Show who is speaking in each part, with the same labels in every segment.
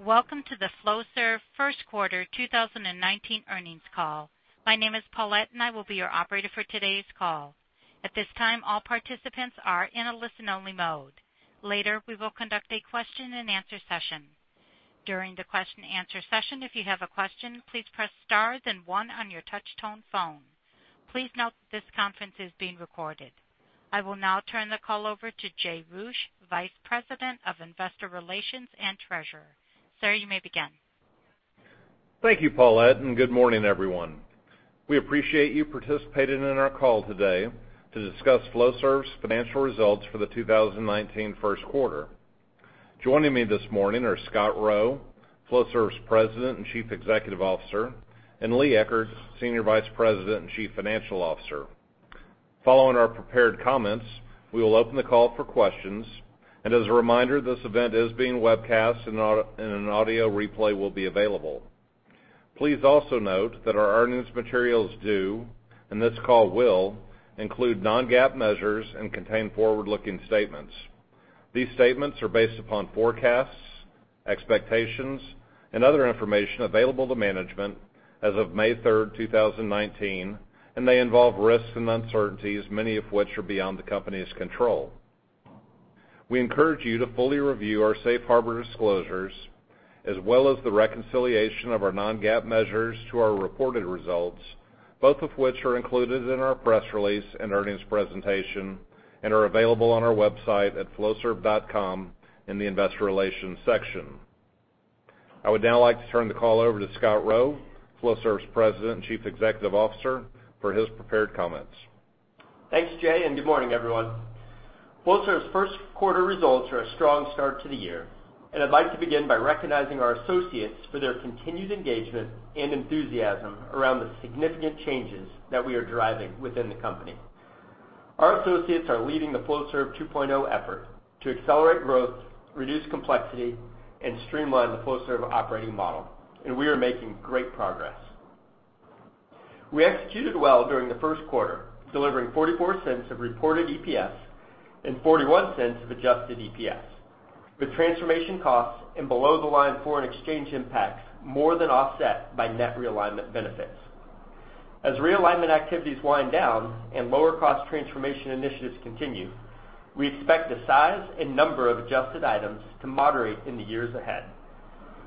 Speaker 1: Welcome to the Flowserve first quarter 2019 earnings call. My name is Paulette, and I will be your operator for today's call. At this time, all participants are in a listen-only mode. Later, we will conduct a question and answer session. During the question and answer session, if you have a question, please press star then one on your touch tone phone. Please note this conference is being recorded. I will now turn the call over to Jay Roueche, Vice President of Investor Relations and Treasurer. Sir, you may begin.
Speaker 2: Thank you, Paulette, and good morning, everyone. We appreciate you participating in our call today to discuss Flowserve's financial results for the 2019 first quarter. Joining me this morning are Scott Rowe, Flowserve's President and Chief Executive Officer, and Lee Eckert, Senior Vice President and Chief Financial Officer. Following our prepared comments, we will open the call for questions. As a reminder, this event is being webcast, and an audio replay will be available. Please also note that our earnings materials do, and this call will, include non-GAAP measures and contain forward-looking statements. These statements are based upon forecasts, expectations, and other information available to management as of May 3rd, 2019, and may involve risks and uncertainties, many of which are beyond the company's control. We encourage you to fully review our safe harbor disclosures, as well as the reconciliation of our non-GAAP measures to our reported results, both of which are included in our press release and earnings presentation and are available on our website at flowserve.com in the investor relations section. I would now like to turn the call over to Scott Rowe, Flowserve's President and Chief Executive Officer, for his prepared comments.
Speaker 3: Thanks, Jay, and good morning, everyone. Flowserve's first quarter results are a strong start to the year. I'd like to begin by recognizing our associates for their continued engagement and enthusiasm around the significant changes that we are driving within the company. Our associates are leading the Flowserve 2.0 effort to accelerate growth, reduce complexity, and streamline the Flowserve operating model, and we are making great progress. We executed well during the first quarter, delivering $0.44 of reported EPS and $0.41 of adjusted EPS, with transformation costs and below the line foreign exchange impacts more than offset by net realignment benefits. As realignment activities wind down and lower cost transformation initiatives continue, we expect the size and number of adjusted items to moderate in the years ahead,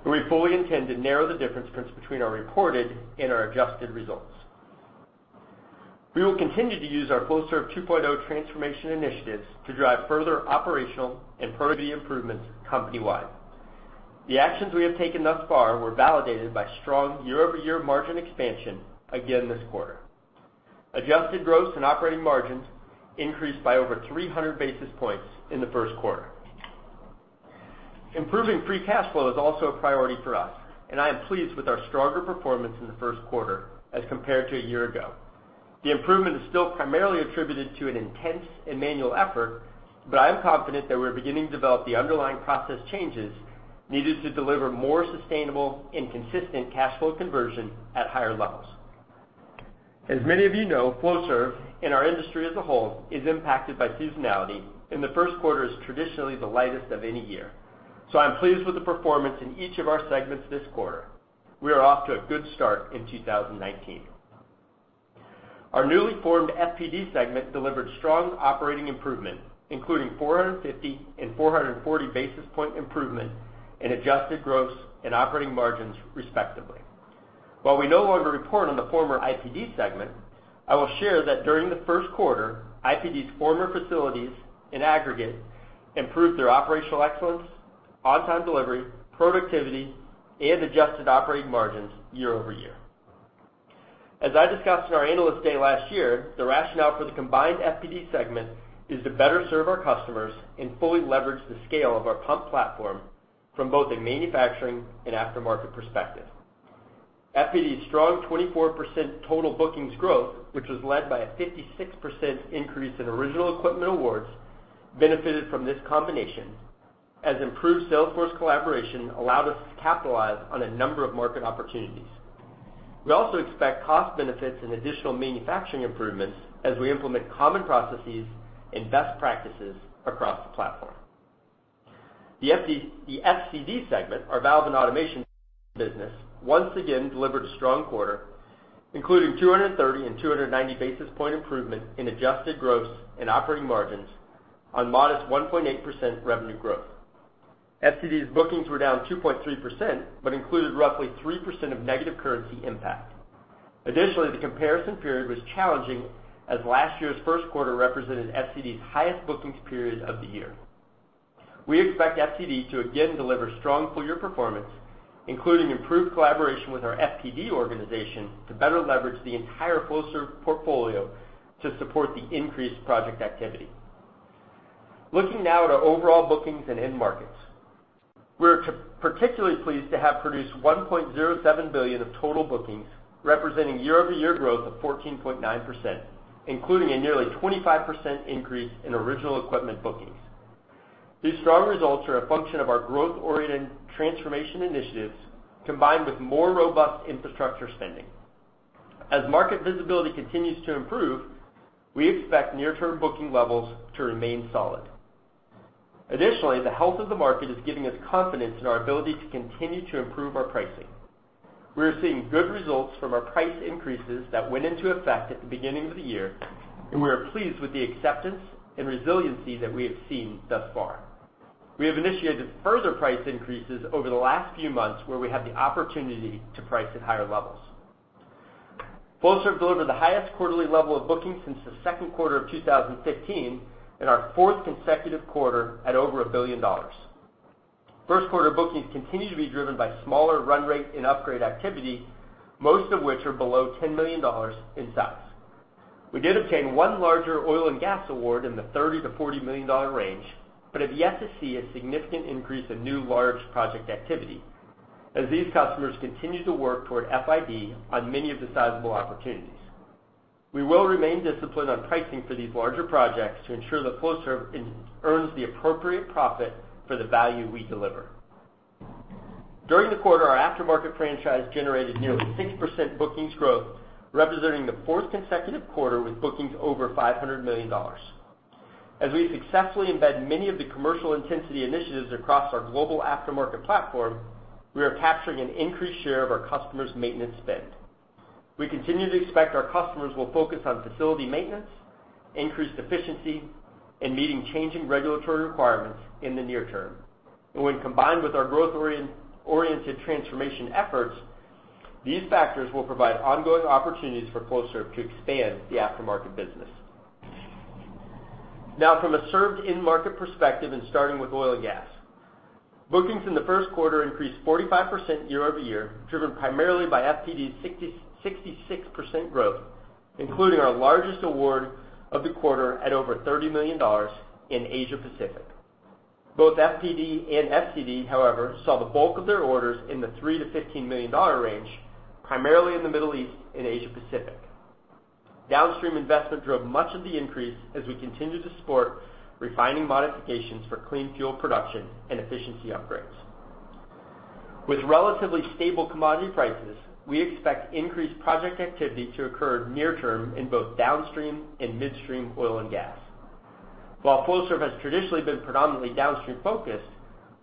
Speaker 3: and we fully intend to narrow the difference between our reported and our adjusted results. We will continue to use our Flowserve 2.0 transformation initiatives to drive further operational and productivity improvements company-wide. The actions we have taken thus far were validated by strong year-over-year margin expansion again this quarter. Adjusted gross and operating margins increased by over 300 basis points in the first quarter. Improving free cash flow is also a priority for us, and I am pleased with our stronger performance in the first quarter as compared to a year ago. The improvement is still primarily attributed to an intense and manual effort, but I am confident that we're beginning to develop the underlying process changes needed to deliver more sustainable and consistent cash flow conversion at higher levels. As many of you know, Flowserve, and our industry as a whole, is impacted by seasonality, and the first quarter is traditionally the lightest of any year. I'm pleased with the performance in each of our segments this quarter. We are off to a good start in 2019. Our newly formed FPD segment delivered strong operating improvement, including 450 and 440 basis point improvement in adjusted gross and operating margins, respectively. While we no longer report on the former IPD segment, I will share that during the first quarter, IPD's former facilities in aggregate improved their operational excellence, on-time delivery, productivity, and adjusted operating margins year-over-year. As I discussed in our Analyst Day last year, the rationale for the combined FPD segment is to better serve our customers and fully leverage the scale of our pump platform from both a manufacturing and aftermarket perspective. FPD's strong 24% total bookings growth, which was led by a 56% increase in original equipment awards, benefited from this combination as improved sales force collaboration allowed us to capitalize on a number of market opportunities. We also expect cost benefits and additional manufacturing improvements as we implement common processes and best practices across the platform. The FCD segment, our valve and automation business, once again delivered a strong quarter, including 230 and 290 basis point improvement in adjusted gross and operating margins on modest 1.8% revenue growth. FCD's bookings were down 2.3% but included roughly 3% of negative currency impact. The comparison period was challenging, as last year's first quarter represented FCD's highest bookings period of the year. We expect FCD to again deliver strong full year performance, including improved collaboration with our FPD organization, to better leverage the entire Flowserve portfolio to support the increased project activity. Looking now at our overall bookings and end markets. We are particularly pleased to have produced $1.07 billion of total bookings, representing year-over-year growth of 14.9%, including a nearly 25% increase in original equipment bookings. These strong results are a function of our growth-oriented transformation initiatives, combined with more robust infrastructure spending. As market visibility continues to improve, we expect near-term booking levels to remain solid. The health of the market is giving us confidence in our ability to continue to improve our pricing. We are seeing good results from our price increases that went into effect at the beginning of the year, and we are pleased with the acceptance and resiliency that we have seen thus far. We have initiated further price increases over the last few months, where we have the opportunity to price at higher levels. Flowserve delivered the highest quarterly level of bookings since the second quarter of 2015 and our fourth consecutive quarter at over $1 billion. First quarter bookings continue to be driven by smaller run rate and upgrade activity, most of which are below $10 million in size. We did obtain one larger oil and gas award in the $30 million-$40 million range, but have yet to see a significant increase in new large project activity, as these customers continue to work toward FID on many of the sizable opportunities. We will remain disciplined on pricing for these larger projects to ensure that Flowserve earns the appropriate profit for the value we deliver. During the quarter, our aftermarket franchise generated nearly 6% bookings growth, representing the fourth consecutive quarter with bookings over $500 million. As we successfully embed many of the commercial intensity initiatives across our global aftermarket platform, we are capturing an increased share of our customers' maintenance spend. We continue to expect our customers will focus on facility maintenance, increased efficiency, and meeting changing regulatory requirements in the near term. When combined with our growth-oriented transformation efforts, these factors will provide ongoing opportunities for Flowserve to expand the aftermarket business. From a served end market perspective and starting with oil and gas. Bookings in the first quarter increased 45% year-over-year, driven primarily by FPD's 66% growth, including our largest award of the quarter at over $30 million in Asia Pacific. Both FPD and FCD, however, saw the bulk of their orders in the $3 million-$15 million range, primarily in the Middle East and Asia Pacific. Downstream investment drove much of the increase as we continue to support refining modifications for clean fuel production and efficiency upgrades. With relatively stable commodity prices, we expect increased project activity to occur near term in both downstream and midstream oil and gas. While Flowserve has traditionally been predominantly downstream focused,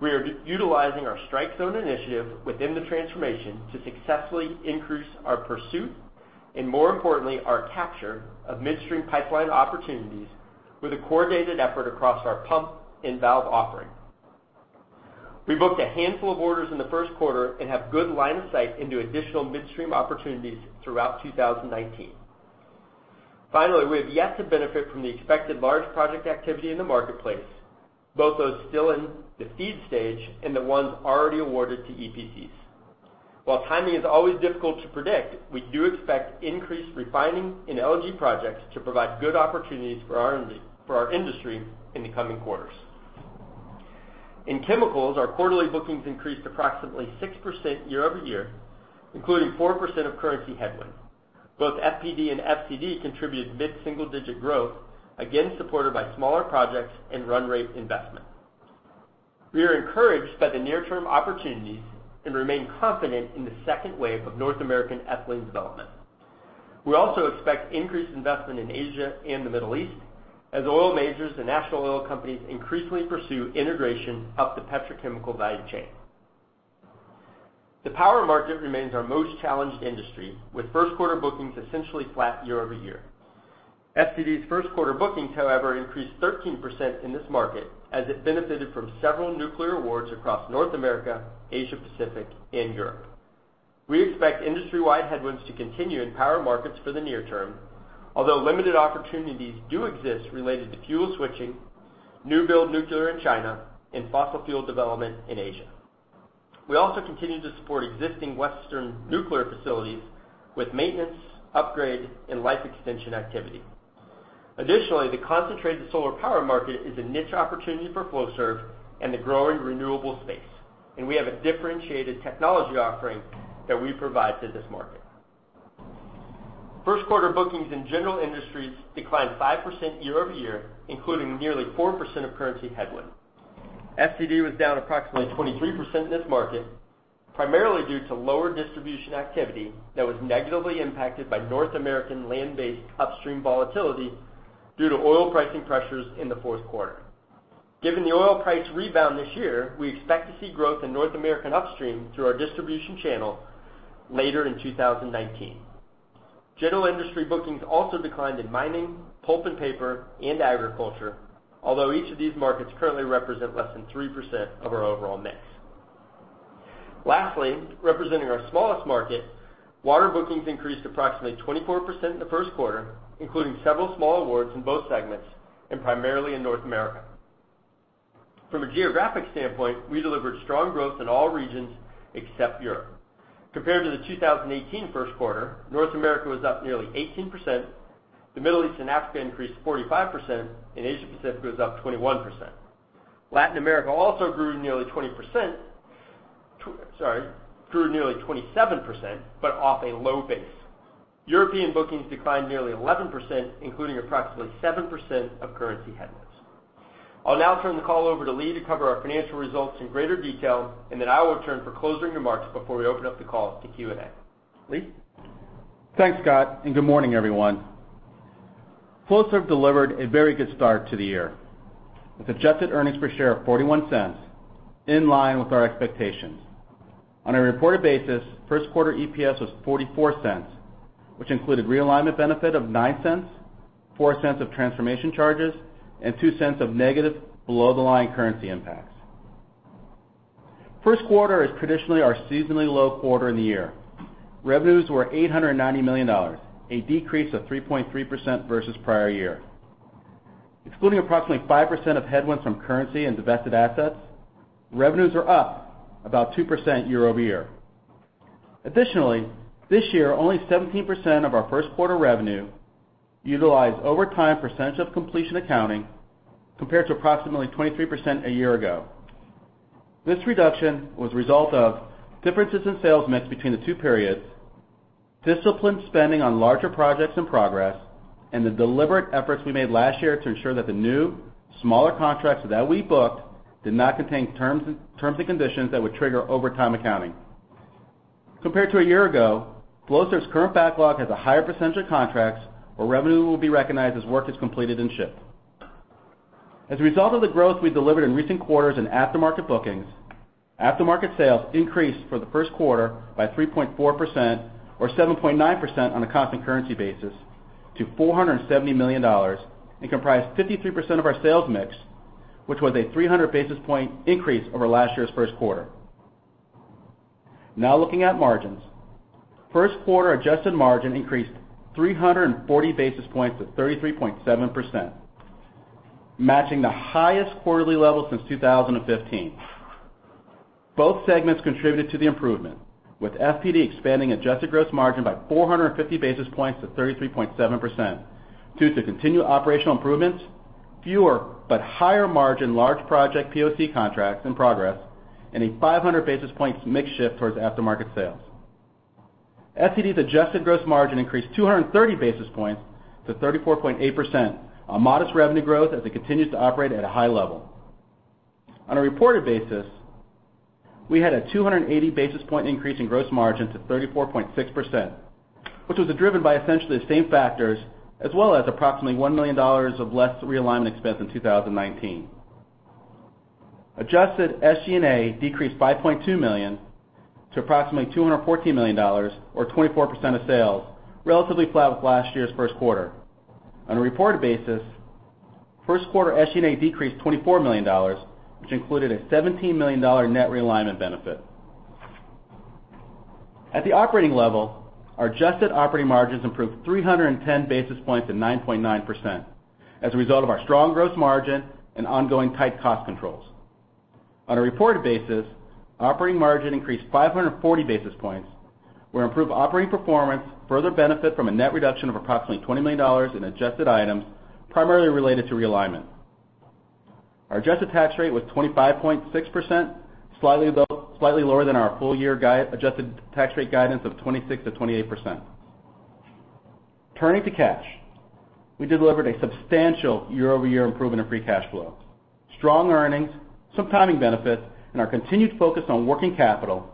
Speaker 3: we are utilizing our Strike Zone initiative within the transformation to successfully increase our pursuit and, more importantly, our capture of midstream pipeline opportunities with a coordinated effort across our pump and valve offering. We booked a handful of orders in the first quarter and have good line of sight into additional midstream opportunities throughout 2019. We have yet to benefit from the expected large project activity in the marketplace, both those still in the FEED stage and the ones already awarded to EPCs. While timing is always difficult to predict, we do expect increased refining in LNG projects to provide good opportunities for our industry in the coming quarters. In chemicals, our quarterly bookings increased approximately 6% year-over-year, including 4% of currency headwind. Both FPD and FCD contributed mid-single digit growth, again supported by smaller projects and run rate investment. We are encouraged by the near-term opportunities and remain confident in the second wave of North American ethylene development. We also expect increased investment in Asia and the Middle East as oil majors and national oil companies increasingly pursue integration up the petrochemical value chain. The power market remains our most challenged industry, with first quarter bookings essentially flat year-over-year. FCD's first quarter bookings, however, increased 13% in this market as it benefited from several nuclear awards across North America, Asia Pacific, and Europe. We expect industry-wide headwinds to continue in power markets for the near term, although limited opportunities do exist related to fuel switching, new build nuclear in China, and fossil fuel development in Asia. We also continue to support existing Western nuclear facilities with maintenance, upgrade, and life extension activity. Additionally, the concentrated solar power market is a niche opportunity for Flowserve and the growing renewable space, and we have a differentiated technology offering that we provide to this market. First quarter bookings in general industries declined 5% year-over-year, including nearly 4% of currency headwind. FCD was down approximately 23% in this market, primarily due to lower distribution activity that was negatively impacted by North American land-based upstream volatility due to oil pricing pressures in the fourth quarter. Given the oil price rebound this year, we expect to see growth in North American upstream through our distribution channel later in 2019. General industry bookings also declined in mining, pulp and paper, and agriculture, although each of these markets currently represent less than 3% of our overall mix. Lastly, representing our smallest market, water bookings increased approximately 24% in the first quarter, including several small awards in both segments and primarily in North America. From a geographic standpoint, we delivered strong growth in all regions except Europe. Compared to the 2018 first quarter, North America was up nearly 18%, the Middle East and Africa increased 45%, and Asia Pacific was up 21%. Latin America also grew nearly 27%, off a low base. European bookings declined nearly 11%, including approximately 7% of currency headwinds. I'll now turn the call over to Lee to cover our financial results in greater detail, then I will return for closing remarks before we open up the call to Q&A. Lee?
Speaker 4: Thanks, Scott, good morning, everyone. Flowserve delivered a very good start to the year, with adjusted EPS of $0.41, in line with our expectations. On a reported basis, first quarter EPS was $0.44, which included realignment benefit of $0.09, $0.04 of transformation charges, and $0.02 of negative below-the-line currency impacts. First quarter is traditionally our seasonally low quarter in the year. Revenues were $890 million, a decrease of 3.3% versus prior year. Excluding approximately 5% of headwinds from currency and divested assets, revenues are up about 2% year-over-year. Additionally, this year, only 17% of our first quarter revenue utilized over time percentage of completion accounting, compared to approximately 23% a year ago. This reduction was a result of differences in sales mix between the two periods, disciplined spending on larger projects and progress, and the deliberate efforts we made last year to ensure that the new, smaller contracts that we booked did not contain terms and conditions that would trigger overtime accounting. Compared to a year ago, Flowserve's current backlog has a higher percentage of contracts where revenue will be recognized as work is completed and shipped. As a result of the growth we delivered in recent quarters in aftermarket bookings, aftermarket sales increased for the first quarter by 3.4%, or 7.9% on a constant currency basis, to $470 million and comprised 53% of our sales mix, which was a 300 basis point increase over last year's first quarter. Now looking at margins. First quarter adjusted margin increased 340 basis points to 33.7%, matching the highest quarterly level since 2015. Both segments contributed to the improvement, with FPD expanding adjusted gross margin by 450 basis points to 33.7%, due to continued operational improvements, fewer but higher margin large project POC contracts in progress, and a 500 basis points mix shift towards aftermarket sales. FCD's adjusted gross margin increased 230 basis points to 34.8%, a modest revenue growth as it continues to operate at a high level. On a reported basis, we had a 280 basis point increase in gross margin to 34.6%, which was driven by essentially the same factors, as well as approximately $1 million of less realignment expense in 2019. Adjusted SG&A decreased $5.2 million to approximately $214 million, or 24% of sales, relatively flat with last year's first quarter. On a reported basis, first quarter SG&A decreased $24 million, which included a $17 million net realignment benefit. At the operating level, our adjusted operating margins improved 310 basis points to 9.9%, as a result of our strong gross margin and ongoing tight cost controls. On a reported basis, operating margin increased 540 basis points, where improved operating performance further benefit from a net reduction of approximately $20 million in adjusted items, primarily related to realignment. Our adjusted tax rate was 25.6%, slightly lower than our full year adjusted tax rate guidance of 26%-28%. Turning to cash. We delivered a substantial year-over-year improvement of free cash flow. Strong earnings, some timing benefits, and our continued focus on working capital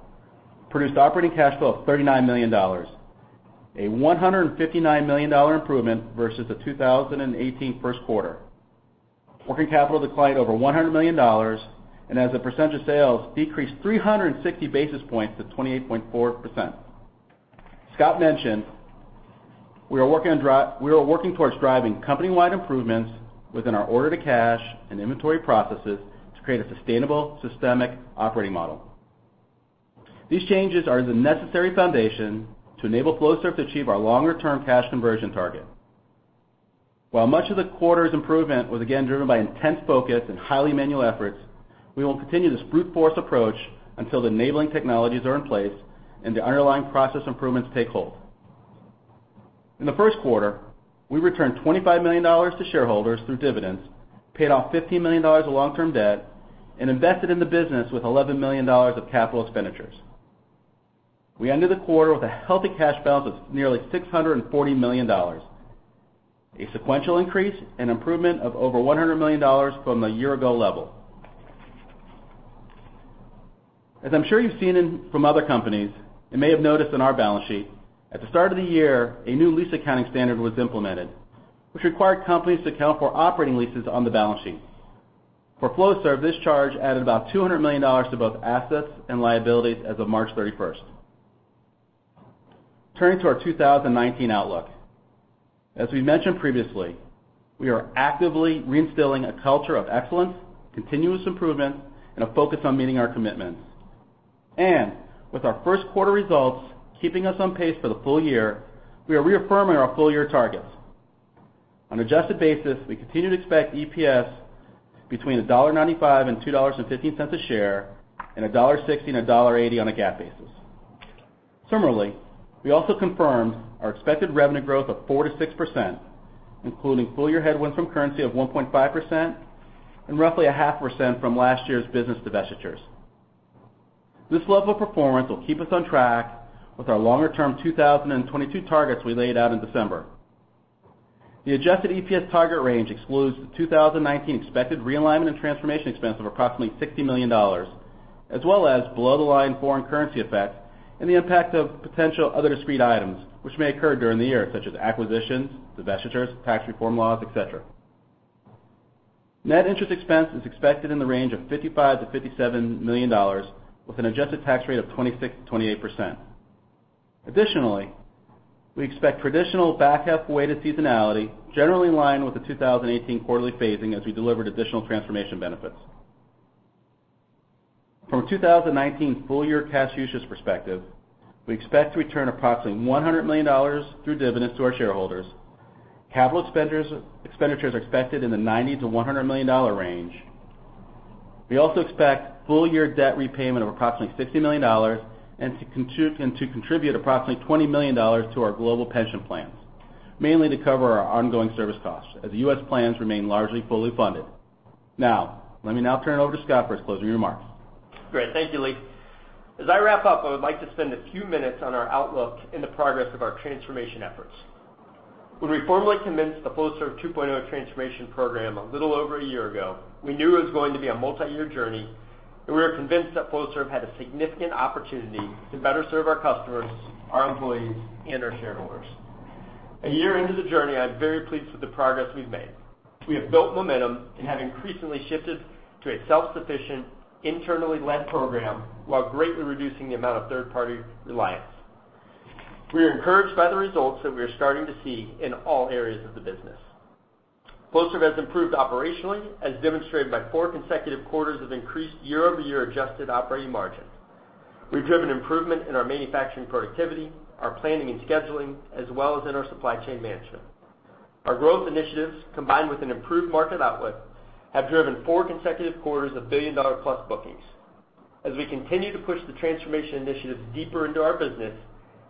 Speaker 4: produced operating cash flow of $39 million, a $159 million improvement versus the 2018 first quarter. Working capital declined over $100 million, and as a percentage of sales, decreased 360 basis points to 28.4%. Scott mentioned, we are working towards driving company-wide improvements within our order to cash and inventory processes to create a sustainable systemic operating model. These changes are the necessary foundation to enable Flowserve to achieve our longer-term cash conversion target. While much of the quarter's improvement was again driven by intense focus and highly manual efforts, we will continue this brute force approach until the enabling technologies are in place and the underlying process improvements take hold. In the first quarter, we returned $25 million to shareholders through dividends, paid off $15 million of long-term debt, and invested in the business with $11 million of capital expenditures. We ended the quarter with a healthy cash balance of nearly $640 million, a sequential increase and improvement of over $100 million from the year ago level. As I'm sure you've seen from other companies and may have noticed on our balance sheet, at the start of the year, a new lease accounting standard was implemented, which required companies to account for operating leases on the balance sheet. For Flowserve, this charge added about $200 million to both assets and liabilities as of March 31st. Turning to our 2019 outlook. As we mentioned previously, we are actively reinstilling a culture of excellence, continuous improvement, and a focus on meeting our commitments. With our first quarter results keeping us on pace for the full year, we are reaffirming our full year targets. On adjusted basis, we continue to expect EPS between $1.95-$2.15 a share, and $1.60-$1.80 on a GAAP basis. Similarly, we also confirmed our expected revenue growth of 4%-6%, including full-year headwinds from currency of 1.5% and roughly a half percent from last year's business divestitures. This level of performance will keep us on track with our longer-term 2022 targets we laid out in December. The adjusted EPS target range excludes the 2019 expected realignment and transformation expense of approximately $60 million, as well as below-the-line foreign currency effects and the impact of potential other discrete items which may occur during the year, such as acquisitions, divestitures, tax reform laws, et cetera. Net interest expense is expected in the range of $55 million-$57 million, with an adjusted tax rate of 26%-28%. Additionally, we expect traditional back-half-weighted seasonality generally in line with the 2018 quarterly phasing as we delivered additional transformation benefits. From a 2019 full-year cash usage perspective, we expect to return approximately $100 million through dividends to our shareholders. Capital expenditures are expected in the $90 million-$100 million range. We also expect full-year debt repayment of approximately $50 million and to contribute approximately $20 million to our global pension plans, mainly to cover our ongoing service costs, as the U.S. plans remain largely fully funded. Let me now turn it over to Scott for his closing remarks.
Speaker 3: Great. Thank you, Lee. As I wrap up, I would like to spend a few minutes on our outlook and the progress of our transformation efforts. When we formally commenced the Flowserve 2.0 transformation program a little over a year ago, we knew it was going to be a multi-year journey, and we were convinced that Flowserve had a significant opportunity to better serve our customers, our employees, and our shareholders. A year into the journey, I'm very pleased with the progress we've made. We have built momentum and have increasingly shifted to a self-sufficient, internally-led program while greatly reducing the amount of third-party reliance. We are encouraged by the results that we are starting to see in all areas of the business. Flowserve has improved operationally, as demonstrated by four consecutive quarters of increased year-over-year adjusted operating margin. We've driven improvement in our manufacturing productivity, our planning and scheduling, as well as in our supply chain management. Our growth initiatives, combined with an improved market outlook, have driven four consecutive quarters of billion-dollar-plus bookings. As we continue to push the transformation initiatives deeper into our business,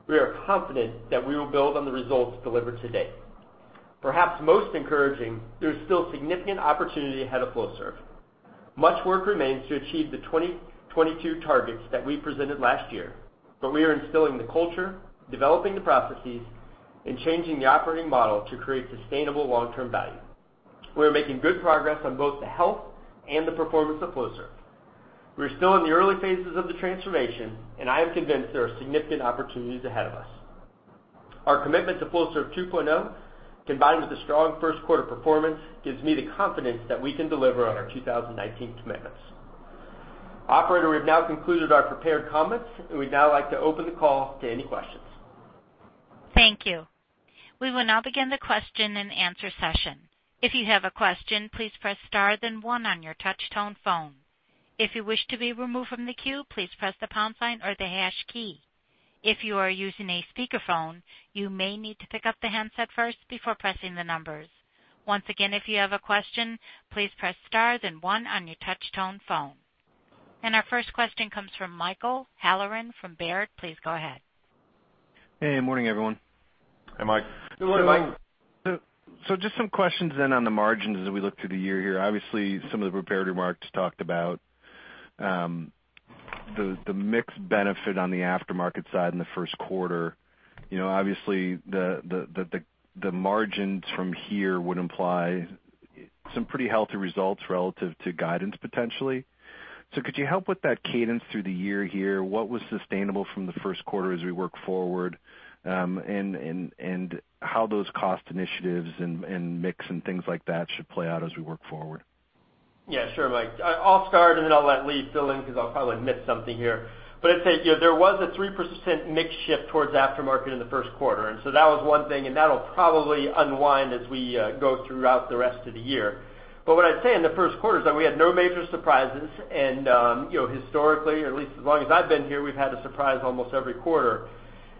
Speaker 3: we are confident that we will build on the results delivered to date. Perhaps most encouraging, there is still significant opportunity ahead of Flowserve. Much work remains to achieve the 2022 targets that we presented last year, but we are instilling the culture, developing the processes, and changing the operating model to create sustainable long-term value. We are making good progress on both the health and the performance of Flowserve. We are still in the early phases of the transformation, and I am convinced there are significant opportunities ahead of us. Our commitment to Flowserve 2.0, combined with the strong first quarter performance, gives me the confidence that we can deliver on our 2019 commitments. Operator, we've now concluded our prepared comments. We'd now like to open the call to any questions.
Speaker 1: Thank you. We will now begin the question and answer session. If you have a question, please press star then one on your touch tone phone. If you wish to be removed from the queue, please press the pound sign or the hash key. If you are using a speakerphone, you may need to pick up the handset first before pressing the numbers. Once again, if you have a question, please press star then one on your touch tone phone. Our first question comes from Michael Halloran from Baird. Please go ahead.
Speaker 5: Hey, morning everyone.
Speaker 3: Hey, Mike.
Speaker 4: Good morning, Michael.
Speaker 5: Just some questions then on the margins as we look through the year here. Some of the prepared remarks talked about the mixed benefit on the aftermarket side in the first quarter. The margins from here would imply some pretty healthy results relative to guidance, potentially. Could you help with that cadence through the year here? What was sustainable from the first quarter as we work forward, and how those cost initiatives and mix and things like that should play out as we work forward?
Speaker 3: Sure, Michael. I'll start, then I'll let Lee fill in, because I'll probably omit something here. I'd say, there was a 3% mix shift towards aftermarket in the first quarter. That was one thing, and that'll probably unwind as we go throughout the rest of the year. What I'd say in the first quarter is that we had no major surprises and historically, or at least as long as I've been here, we've had a surprise almost every quarter.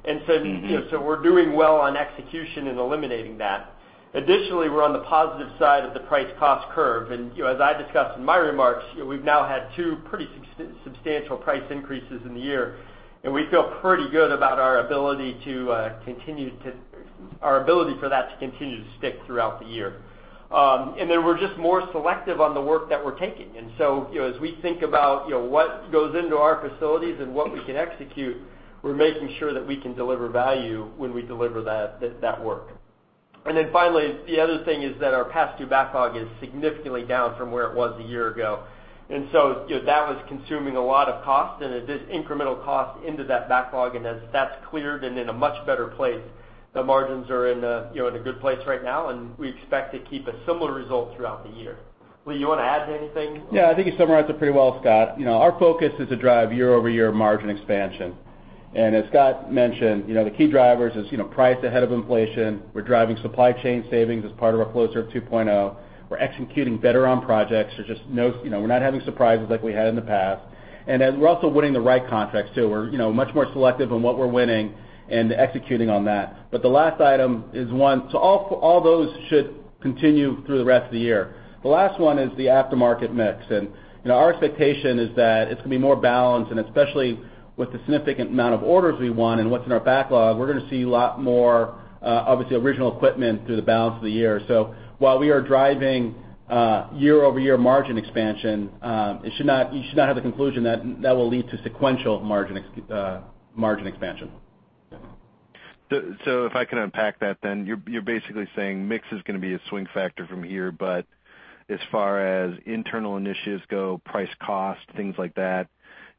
Speaker 3: We're doing well on execution and eliminating that. Additionally, we're on the positive side of the price-cost curve, as I discussed in my remarks, we've now had two pretty substantial price increases in the year, and we feel pretty good about our ability for that to continue to stick throughout the year. Then we're just more selective on the work that we're taking. As we think about what goes into our facilities and what we can execute, we're making sure that we can deliver value when we deliver that work. Then finally, the other thing is that our past due backlog is significantly down from where it was a year ago. That was consuming a lot of cost, and this incremental cost into that backlog, and as that's cleared and in a much better place, the margins are in a good place right now, and we expect to keep a similar result throughout the year. Lee, you want to add anything?
Speaker 4: Yeah, I think you summarized it pretty well, Scott. Our focus is to drive year-over-year margin expansion. As Scott mentioned, the key drivers is priced ahead of inflation. We're driving supply chain savings as part of our Flowserve 2.0. We're executing better on projects. We're not having surprises like we had in the past. Then we're also winning the right contracts, too. We're much more selective on what we're winning and executing on that. All those should continue through the rest of the year. The last one is the aftermarket mix, and our expectation is that it's going to be more balanced and especially With the significant amount of orders we won and what's in our backlog, we're going to see a lot more, obviously, original equipment through the balance of the year. While we are driving year-over-year margin expansion, you should not have the conclusion that that will lead to sequential margin expansion.
Speaker 5: If I can unpack that then, you're basically saying mix is going to be a swing factor from here, but as far as internal initiatives go, price cost, things like that,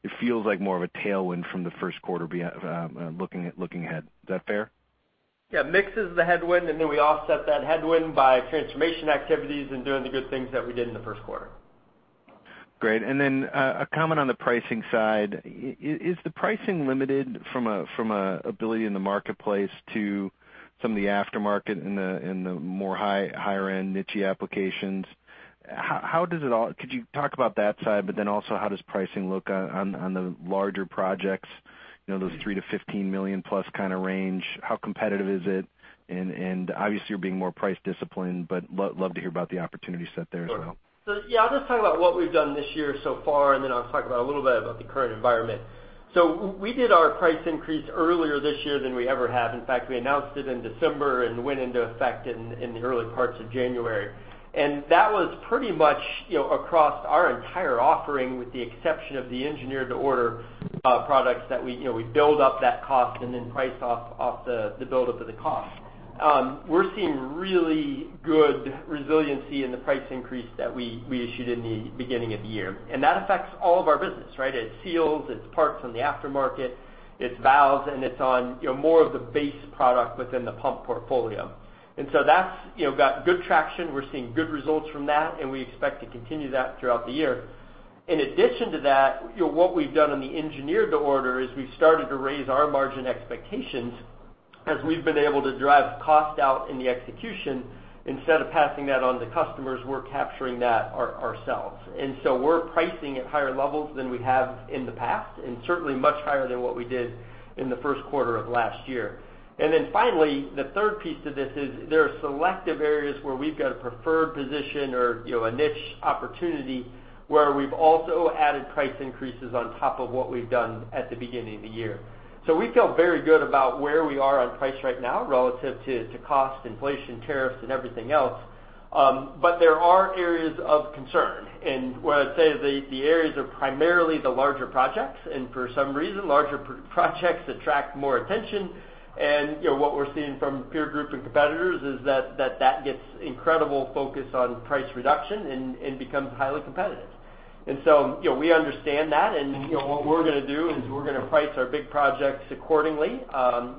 Speaker 5: it feels like more of a tailwind from the first quarter looking ahead. Is that fair?
Speaker 3: Yeah. Mix is the headwind. We offset that headwind by transformation activities and doing the good things that we did in the first quarter.
Speaker 5: Great. A comment on the pricing side. Is the pricing limited from an ability in the marketplace to some of the aftermarket in the more higher-end niche applications? Could you talk about that side, but also how does pricing look on the larger projects, those $3 million-$15 million-plus kind of range? How competitive is it? Obviously, you're being more price disciplined, but love to hear about the opportunity set there as well.
Speaker 3: Sure. Yeah, I'll just talk about what we've done this year so far, and then I'll talk about a little bit about the current environment. We did our price increase earlier this year than we ever have. In fact, we announced it in December and it went into effect in the early parts of January. That was pretty much across our entire offering, with the exception of the engineer-to-order products that we build up that cost and then price off the buildup of the cost. We're seeing really good resiliency in the price increase that we issued in the beginning of the year, and that affects all of our business. It's seals, it's parts on the aftermarket, it's valves, and it's on more of the base product within the pump portfolio. That's got good traction. We're seeing good results from that, and we expect to continue that throughout the year. In addition to that, what we've done on the engineer-to-order is we've started to raise our margin expectations as we've been able to drive cost out in the execution. Instead of passing that on to customers, we're capturing that ourselves. We're pricing at higher levels than we have in the past, and certainly much higher than what we did in the first quarter of last year. Finally, the third piece to this is there are selective areas where we've got a preferred position or a niche opportunity where we've also added price increases on top of what we've done at the beginning of the year. We feel very good about where we are on price right now relative to cost, inflation, tariffs and everything else. There are areas of concern. What I'd say is the areas are primarily the larger projects, for some reason, larger projects attract more attention. What we're seeing from peer group and competitors is that gets incredible focus on price reduction and becomes highly competitive. We understand that, what we're going to do is we're going to price our big projects accordingly.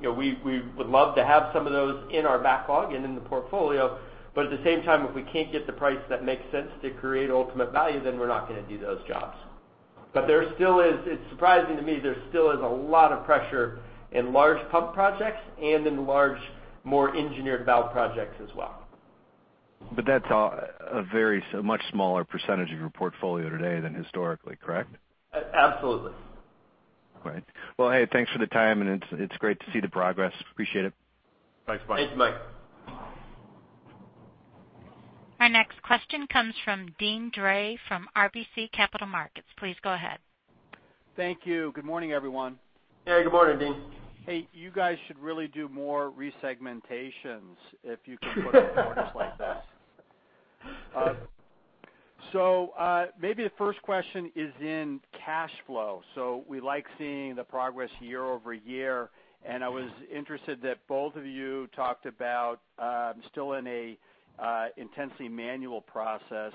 Speaker 3: We would love to have some of those in our backlog and in the portfolio. At the same time, if we can't get the price that makes sense to create ultimate value, then we're not going to do those jobs. It's surprising to me, there still is a lot of pressure in large pump projects and in large, more engineered valve projects as well.
Speaker 5: That's a much smaller % of your portfolio today than historically, correct?
Speaker 3: Absolutely.
Speaker 5: Great. Well, thanks for the time, and it's great to see the progress. Appreciate it.
Speaker 3: Thanks, Mike.
Speaker 2: Thanks, Mike.
Speaker 1: Our next question comes from Deane Dray from RBC Capital Markets. Please go ahead.
Speaker 6: Thank you. Good morning, everyone.
Speaker 3: Hey, good morning, Deane.
Speaker 6: Hey, you guys should really do more resegmentations if you can put up numbers like that. Maybe the first question is in cash flow. We like seeing the progress year-over-year, and I was interested that both of you talked about still in an intensely manual process.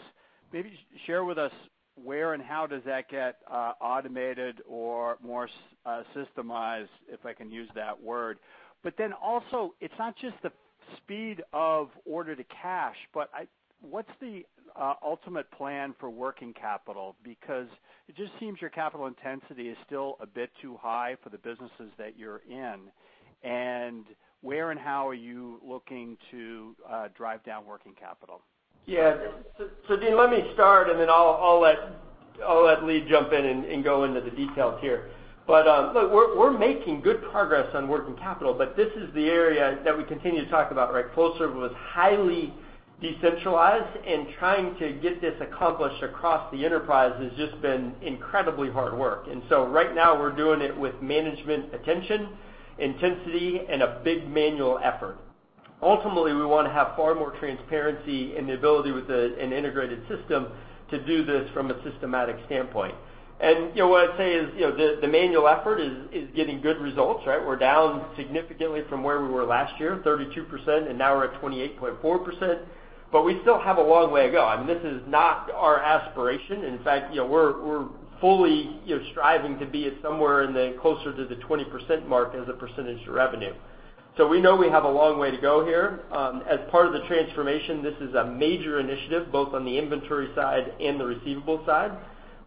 Speaker 6: Maybe just share with us where and how does that get automated or more systemized, if I can use that word. Also, it's not just the speed of order to cash, but what's the ultimate plan for working capital? Because it just seems your capital intensity is still a bit too high for the businesses that you're in. Where and how are you looking to drive down working capital?
Speaker 3: Yeah. Deane, let me start, and then I'll let Lee jump in and go into the details here. Look, we're making good progress on working capital, but this is the area that we continue to talk about closer with highly decentralized, and trying to get this accomplished across the enterprise has just been incredibly hard work. Right now we're doing it with management attention, intensity, and a big manual effort. Ultimately, we want to have far more transparency and the ability with an integrated system to do this from a systematic standpoint. What I'd say is the manual effort is getting good results. We're down significantly from where we were last year, 32%, and now we're at 28.4%. We still have a long way to go. I mean, this is not our aspiration. In fact, we're fully striving to be at somewhere in the closer to the 20% mark as a percentage of revenue. We know we have a long way to go here. As part of the Transformation, this is a major initiative, both on the inventory side and the receivable side,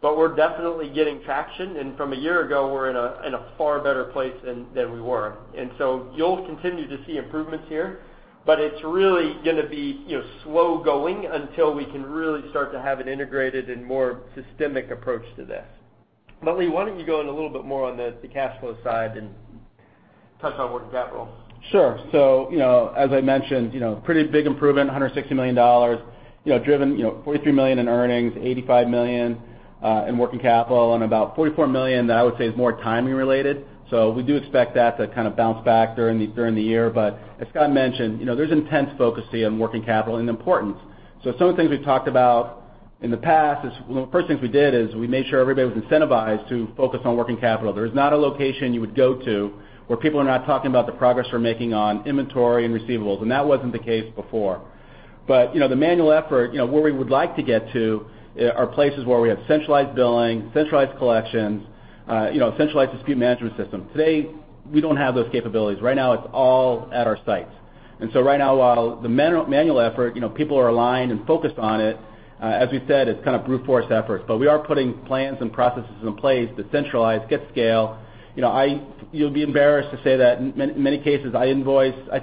Speaker 3: we're definitely getting traction. From a year ago, we're in a far better place than we were. You'll continue to see improvements here, but it's really going to be slow going until we can really start to have an integrated and more systemic approach to this. Lee, why don't you go in a little bit more on the cash flow side and-
Speaker 6: Touch on working capital.
Speaker 4: Sure. As I mentioned, pretty big improvement, $160 million. Driven $43 million in earnings, $85 million in working capital, and about $44 million that I would say is more timing related. We do expect that to kind of bounce back during the year. As Scott mentioned, there's intense focus here on working capital and importance. Some of the things we've talked about in the past is, well, the first things we did is we made sure everybody was incentivized to focus on working capital. There is not a location you would go to where people are not talking about the progress we're making on inventory and receivables, and that wasn't the case before. The manual effort, where we would like to get to are places where we have centralized billing, centralized collections, centralized dispute management system. Today, we don't have those capabilities. Right now, it's all at our sites. Right now, while the manual effort, people are aligned and focused on it, as we've said, it's kind of brute force efforts. We are putting plans and processes in place to centralize, get scale. You'll be embarrassed to say that in many cases, I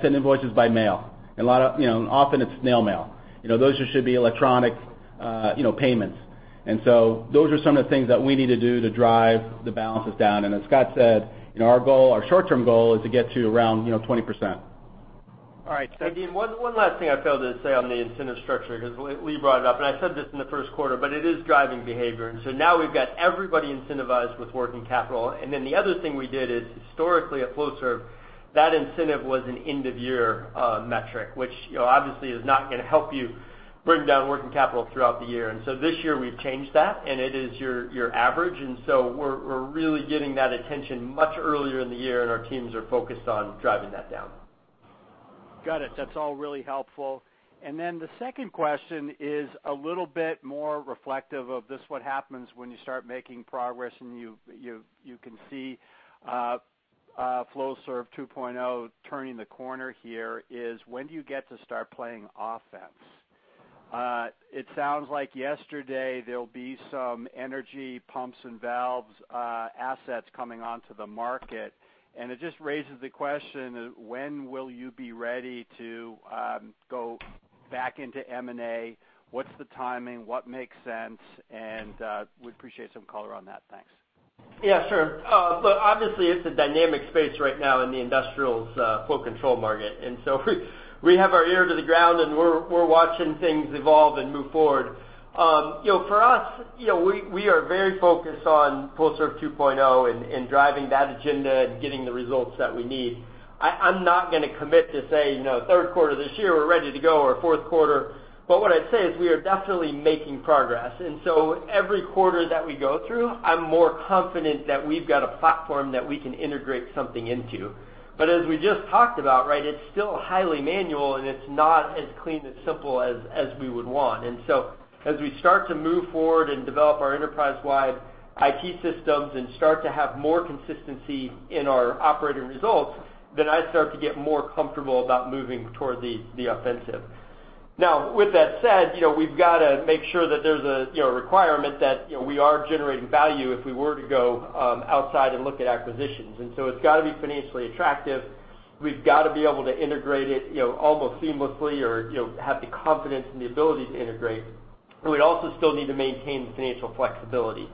Speaker 4: send invoices by mail, and often it's snail mail. Those should be electronic payments. Those are some of the things that we need to do to drive the balances down. As Scott said, our short-term goal is to get to around 20%.
Speaker 6: All right.
Speaker 3: Deane, one last thing I failed to say on the incentive structure, because Lee brought it up, I said this in the first quarter, it is driving behavior. Now we've got everybody incentivized with working capital. The other thing we did is historically at Flowserve, that incentive was an end-of-year metric, which obviously is not going to help you bring down working capital throughout the year. This year, we've changed that, it is your average. We're really getting that attention much earlier in the year, and our teams are focused on driving that down.
Speaker 6: Got it. That's all really helpful. Then the second question is a little bit more reflective of this, what happens when you start making progress and you can see Flowserve 2.0 turning the corner here is when do you get to start playing offense? It sounds like yesterday there'll be some energy pumps and valves assets coming onto the market, and it just raises the question of when will you be ready to go back into M&A? What's the timing? What makes sense? We'd appreciate some color on that. Thanks.
Speaker 3: Yeah, sure. Look, obviously, it's a dynamic space right now in the industrials flow control market. So we have our ear to the ground, and we're watching things evolve and move forward. For us, we are very focused on Flowserve 2.0 and driving that agenda and getting the results that we need. I'm not going to commit to say third quarter this year, we're ready to go or fourth quarter. What I'd say is we are definitely making progress. So every quarter that we go through, I'm more confident that we've got a platform that we can integrate something into. As we just talked about, it's still highly manual, and it's not as clean and simple as we would want. So as we start to move forward and develop our enterprise-wide IT systems and start to have more consistency in our operating results, then I'd start to get more comfortable about moving toward the offensive. Now, with that said, we've got to make sure that there's a requirement that we are generating value if we were to go outside and look at acquisitions. So it's got to be financially attractive. We've got to be able to integrate it almost seamlessly or have the confidence and the ability to integrate. We'd also still need to maintain the financial flexibility.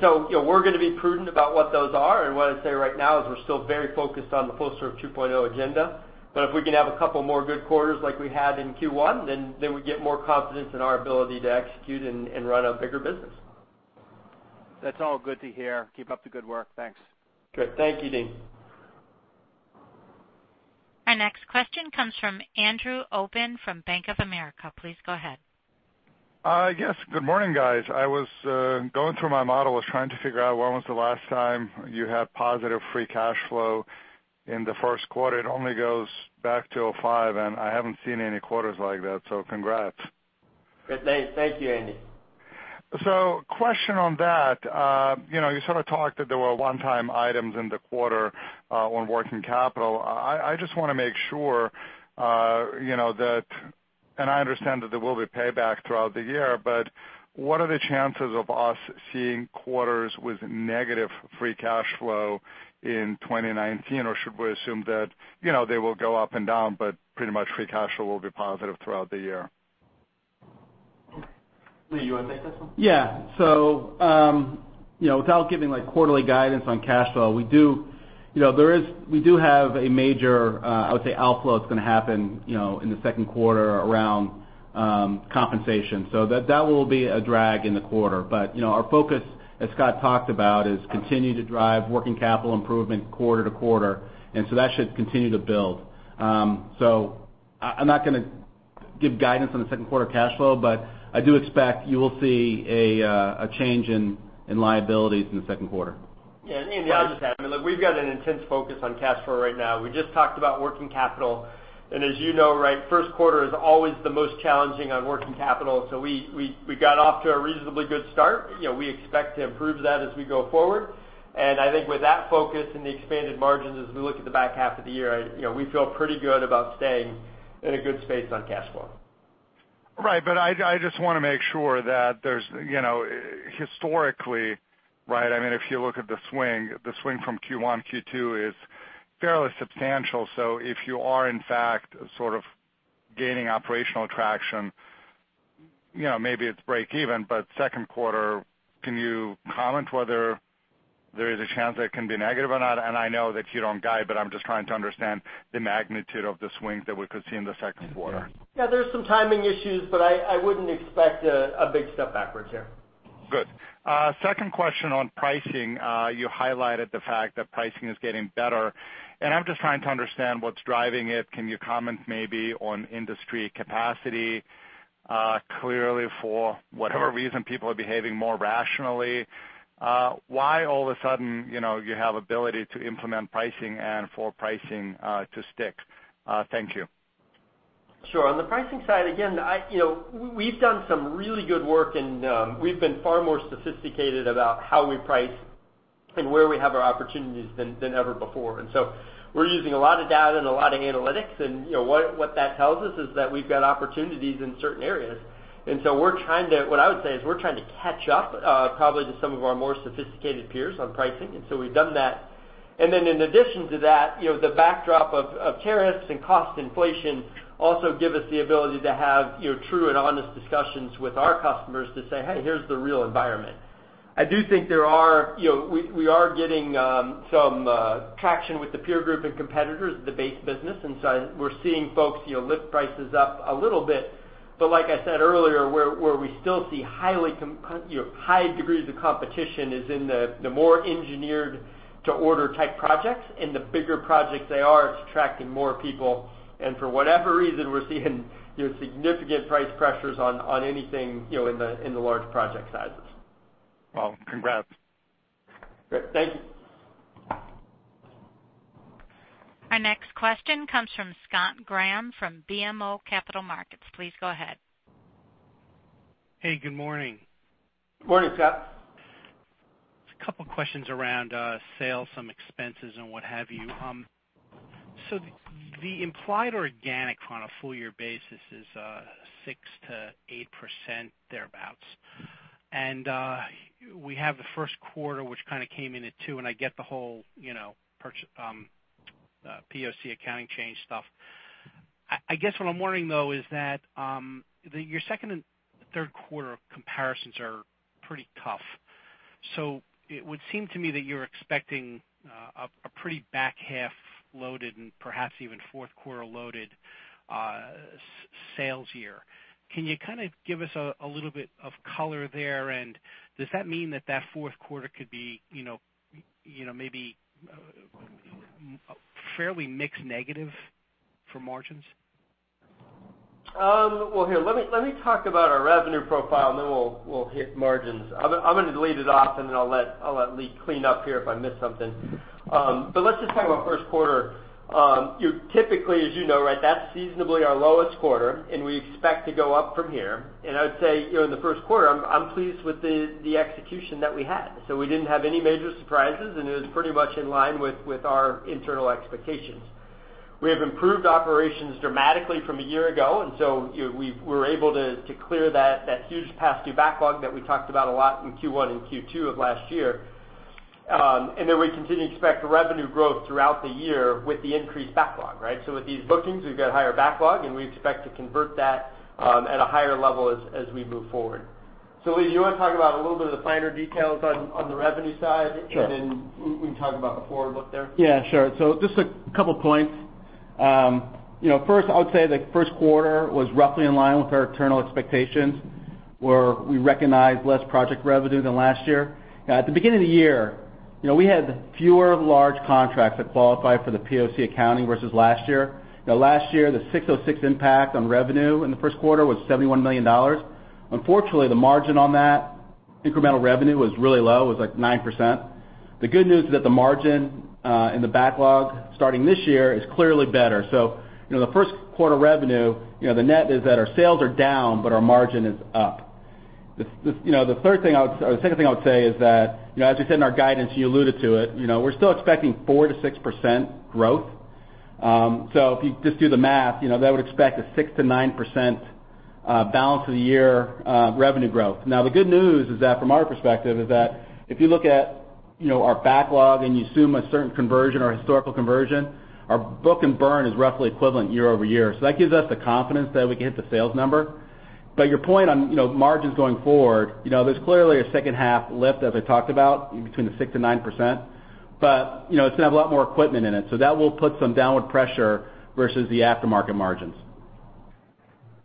Speaker 3: So, we're going to be prudent about what those are. What I'd say right now is we're still very focused on the Flowserve 2.0 agenda. If we can have a couple more good quarters like we had in Q1, then we get more confidence in our ability to execute and run a bigger business.
Speaker 6: That's all good to hear. Keep up the good work. Thanks.
Speaker 3: Good. Thank you, Deane.
Speaker 1: Our next question comes from Andrew Obin from Bank of America. Please go ahead.
Speaker 7: Yes. Good morning, guys. I was going through my model, was trying to figure out when was the last time you had positive free cash flow in the first quarter. It only goes back to 2005, and I haven't seen any quarters like that, so congrats.
Speaker 3: Great. Thank you, Andy.
Speaker 7: Question on that. You sort of talked that there were one-time items in the quarter on working capital. I just want to make sure that, and I understand that there will be payback throughout the year, but what are the chances of us seeing quarters with negative free cash flow in 2019? Should we assume that they will go up and down, but pretty much free cash flow will be positive throughout the year?
Speaker 3: Lee, you want to take this one?
Speaker 4: Yeah. Without giving like quarterly guidance on cash flow, we do have a major, I would say, outflow that's going to happen in the second quarter around compensation. That will be a drag in the quarter. Our focus, as Scott talked about, is continue to drive working capital improvement quarter to quarter. That should continue to build. I'm not going to give guidance on the second quarter cash flow, but I do expect you will see a change in liabilities in the second quarter.
Speaker 3: Andy, I'll just add, I mean, look, we've got an intense focus on cash flow right now. We just talked about working capital. As you know, first quarter is always the most challenging on working capital. We got off to a reasonably good start. We expect to improve that as we go forward. I think with that focus and the expanded margins as we look at the back half of the year, we feel pretty good about staying in a good space on cash flow.
Speaker 7: Right. I just want to make sure that there's historically, if you look at the swing, the swing from Q1 to Q2 is fairly substantial. If you are in fact sort of gaining operational traction. Maybe it's break even, but second quarter, can you comment whether there is a chance that it can be negative or not? I know that you don't guide, but I'm just trying to understand the magnitude of the swings that we could see in the second quarter.
Speaker 3: Yeah, there's some timing issues, I wouldn't expect a big step backwards here.
Speaker 7: Good. Second question on pricing. You highlighted the fact that pricing is getting better. I'm just trying to understand what's driving it. Can you comment maybe on industry capacity? Clearly, for whatever reason, people are behaving more rationally. Why all of a sudden you have ability to implement pricing and for pricing to stick? Thank you.
Speaker 3: Sure. On the pricing side, again, we've done some really good work and we've been far more sophisticated about how we price and where we have our opportunities than ever before. We're using a lot of data and a lot of analytics, and what that tells us is that we've got opportunities in certain areas. What I would say is we're trying to catch up, probably to some of our more sophisticated peers on pricing. We've done that. In addition to that, the backdrop of tariffs and cost inflation also give us the ability to have true and honest discussions with our customers to say, "Hey, here's the real environment." I do think we are getting some traction with the peer group and competitors, the base business. We're seeing folks lift prices up a little bit, but like I said earlier, where we still see high degrees of competition is in the more engineered to order type projects. The bigger projects they are, it's attracting more people. For whatever reason, we're seeing significant price pressures on anything in the large project sizes.
Speaker 7: Well, congrats.
Speaker 3: Great, thank you.
Speaker 1: Our next question comes from Scott Graham from BMO Capital Markets. Please go ahead.
Speaker 8: Hey, good morning.
Speaker 3: Morning, Scott.
Speaker 8: Just a couple of questions around sales, some expenses and what have you. The implied organic on a full year basis is 6%-8% thereabouts. We have the first quarter, which kind of came in at two, and I get the whole POC accounting change stuff. I guess what I'm wondering, though, is that your second and third quarter comparisons are pretty tough. It would seem to me that you're expecting a pretty back half loaded and perhaps even fourth quarter loaded sales year. Can you kind of give us a little bit of color there, and does that mean that that fourth quarter could be maybe fairly mixed negative for margins?
Speaker 3: Well, here, let me talk about our revenue profile, and then we'll hit margins. I'm going to lead it off, and then I'll let Lee clean up here if I miss something. Let's just talk about first quarter. Typically, as you know, that's seasonably our lowest quarter, and we expect to go up from here. I would say, in the first quarter, I'm pleased with the execution that we had. We didn't have any major surprises, and it was pretty much in line with our internal expectations. We have improved operations dramatically from a year ago, we were able to clear that huge past due backlog that we talked about a lot in Q1 and Q2 of last year. We continue to expect revenue growth throughout the year with the increased backlog. With these bookings, we've got higher backlog, and we expect to convert that at a higher level as we move forward. Lee, do you want to talk about a little bit of the finer details on the revenue side?
Speaker 4: Sure.
Speaker 3: We can talk about the forward look there.
Speaker 4: Yeah, sure. Just a couple points. First, I would say the first quarter was roughly in line with our internal expectations, where we recognized less project revenue than last year. At the beginning of the year, we had fewer large contracts that qualified for the POC accounting versus last year. Last year, the 606 impact on revenue in the first quarter was $71 million. Unfortunately, the margin on that incremental revenue was really low. It was like 9%. The good news is that the margin in the backlog starting this year is clearly better. The first quarter revenue, the net is that our sales are down, but our margin is up. The second thing I would say is that, as we said in our guidance, you alluded to it, we're still expecting 4%-6% growth. If you just do the math, that would expect a 6%-9% balance of the year revenue growth. The good news is that from our perspective is that if you look at our backlog and you assume a certain conversion or historical conversion, our book and burn is roughly equivalent year-over-year. That gives us the confidence that we can hit the sales number. Your point on margins going forward, there's clearly a second half lift as I talked about between the 6%-9%, but it's going to have a lot more equipment in it. That will put some downward pressure versus the aftermarket margins.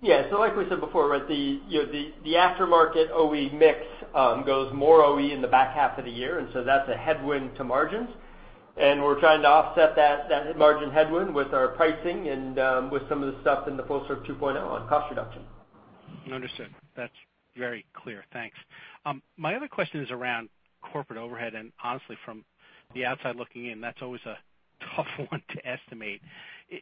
Speaker 3: Like we said before, the aftermarket OE mix goes more OE in the back half of the year, that's a headwind to margins. We're trying to offset that margin headwind with our pricing and with some of the stuff in the Flowserve 2.0 on cost reduction.
Speaker 8: Understood. That's very clear. Thanks. My other question is around corporate overhead, honestly, from the outside looking in, that's always a tough one to estimate.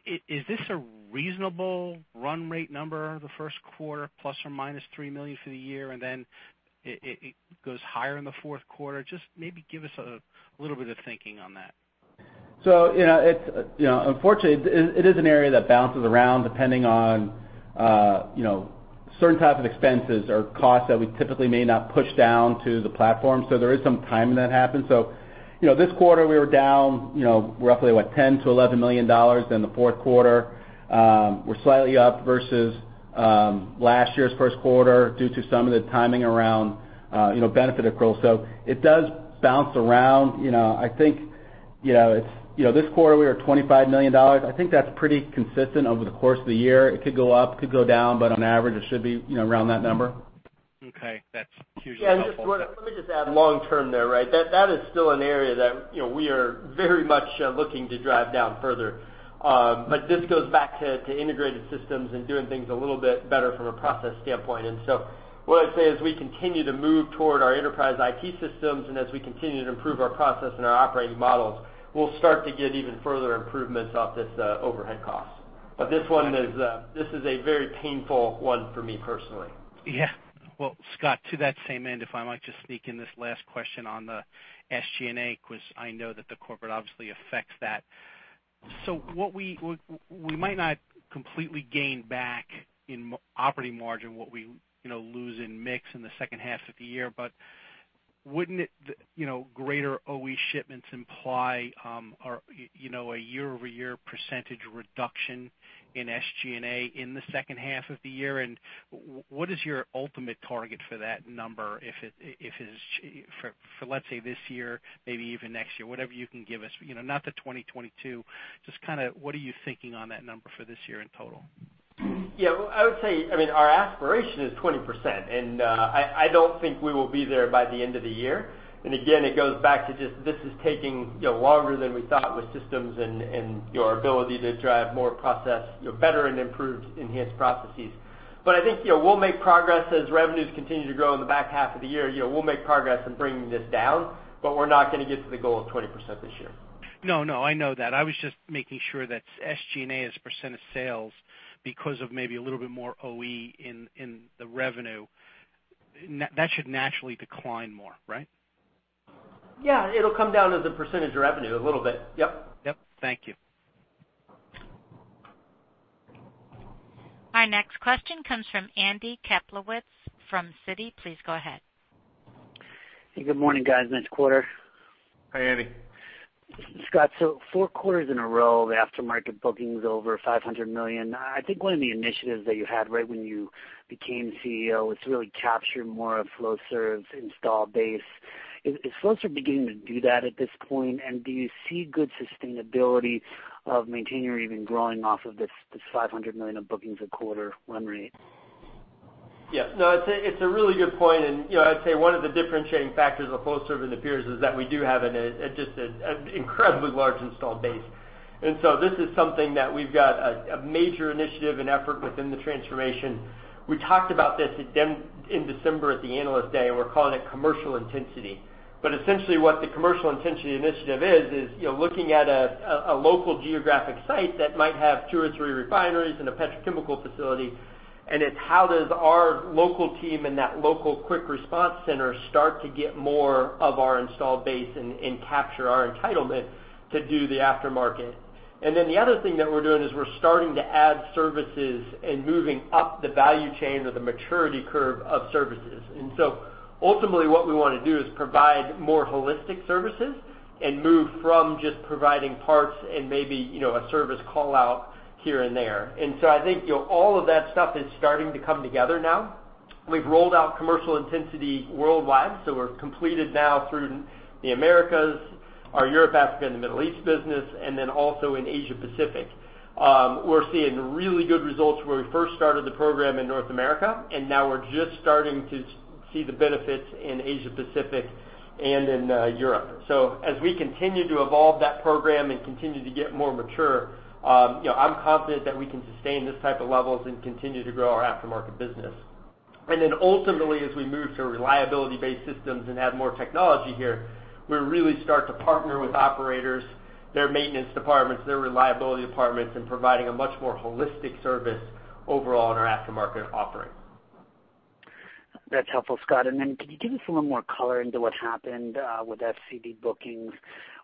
Speaker 8: Is this a reasonable run rate number the first quarter, ±$3 million for the year, then it goes higher in the fourth quarter? Just maybe give us a little bit of thinking on that.
Speaker 4: Unfortunately, it is an area that bounces around depending on certain types of expenses or costs that we typically may not push down to the platform. There is some timing that happens. This quarter, we were down roughly what? $10 million-$11 million in the fourth quarter. We're slightly up versus last year's first quarter due to some of the timing around benefit accrual. It does bounce around. This quarter, we were $25 million. I think that's pretty consistent over the course of the year. It could go up, could go down, but on average, it should be around that number.
Speaker 8: Okay. That's hugely helpful.
Speaker 3: Yeah. Let me just add long-term there. That is still an area that we are very much looking to drive down further. This goes back to integrated systems and doing things a little bit better from a process standpoint. What I'd say is we continue to move toward our enterprise IT systems, and as we continue to improve our process and our operating models, we'll start to get even further improvements off this overhead cost. This is a very painful one for me personally.
Speaker 8: Yeah. Well, Scott, to that same end, if I might just sneak in this last question on the SG&A, because I know that the corporate obviously affects that. We might not completely gain back in operating margin what we lose in mix in the second half of the year, but wouldn't greater OE shipments imply a year-over-year % reduction in SG&A in the second half of the year? What is your ultimate target for that number for, let's say, this year, maybe even next year? Whatever you can give us. Not the 2022, just what are you thinking on that number for this year in total?
Speaker 3: Yeah, I would say, our aspiration is 20%, and I don't think we will be there by the end of the year. Again, it goes back to just this is taking longer than we thought with systems and our ability to drive more process, better and improved enhanced processes. I think we'll make progress as revenues continue to grow in the back half of the year. We'll make progress in bringing this down, but we're not going to get to the goal of 20% this year.
Speaker 8: No, I know that. I was just making sure that SG&A as a % of sales because of maybe a little bit more OE in the revenue. That should naturally decline more, right?
Speaker 3: Yeah. It'll come down as a percentage of revenue a little bit. Yep.
Speaker 8: Yep. Thank you.
Speaker 1: Our next question comes from Andy Kaplowitz from Citi. Please go ahead.
Speaker 9: Good morning, guys. Nice quarter.
Speaker 3: Hi, Andy.
Speaker 9: Scott, four quarters in a row, the aftermarket booking is over $500 million. I think one of the initiatives that you had right when you became CEO was to really capture more of Flowserve's install base. Is Flowserve beginning to do that at this point? Do you see good sustainability of maintaining or even growing off of this $500 million of bookings a quarter run rate?
Speaker 3: No, it's a really good point. I'd say one of the differentiating factors of Flowserve and the peers is that we do have just an incredibly large installed base. This is something that we've got a major initiative and effort within the transformation. We talked about this in December at the Analyst Day, we're calling it Commercial Intensity. Essentially what the Commercial Intensity initiative is looking at a local geographic site that might have two or three refineries and a petrochemical facility, it's how does our local team and that local Quick Response Center start to get more of our installed base and capture our entitlement to do the aftermarket. The other thing that we're doing is we're starting to add services and moving up the value chain or the maturity curve of services. Ultimately, what we want to do is provide more holistic services and move from just providing parts and maybe a service call-out here and there. I think all of that stuff is starting to come together now. We've rolled out commercial intensity worldwide, so we're completed now through the Americas, our Europe, Africa, and the Middle East business, and then also in Asia Pacific. We're seeing really good results where we first started the program in North America, and now we're just starting to see the benefits in Asia Pacific and in Europe. As we continue to evolve that program and continue to get more mature, I'm confident that we can sustain this type of levels and continue to grow our aftermarket business. Ultimately, as we move to reliability-based systems and add more technology here, we really start to partner with operators, their maintenance departments, their reliability departments in providing a much more holistic service overall in our aftermarket offerings.
Speaker 9: That's helpful, Scott. Could you give us a little more color into what happened with FCD bookings?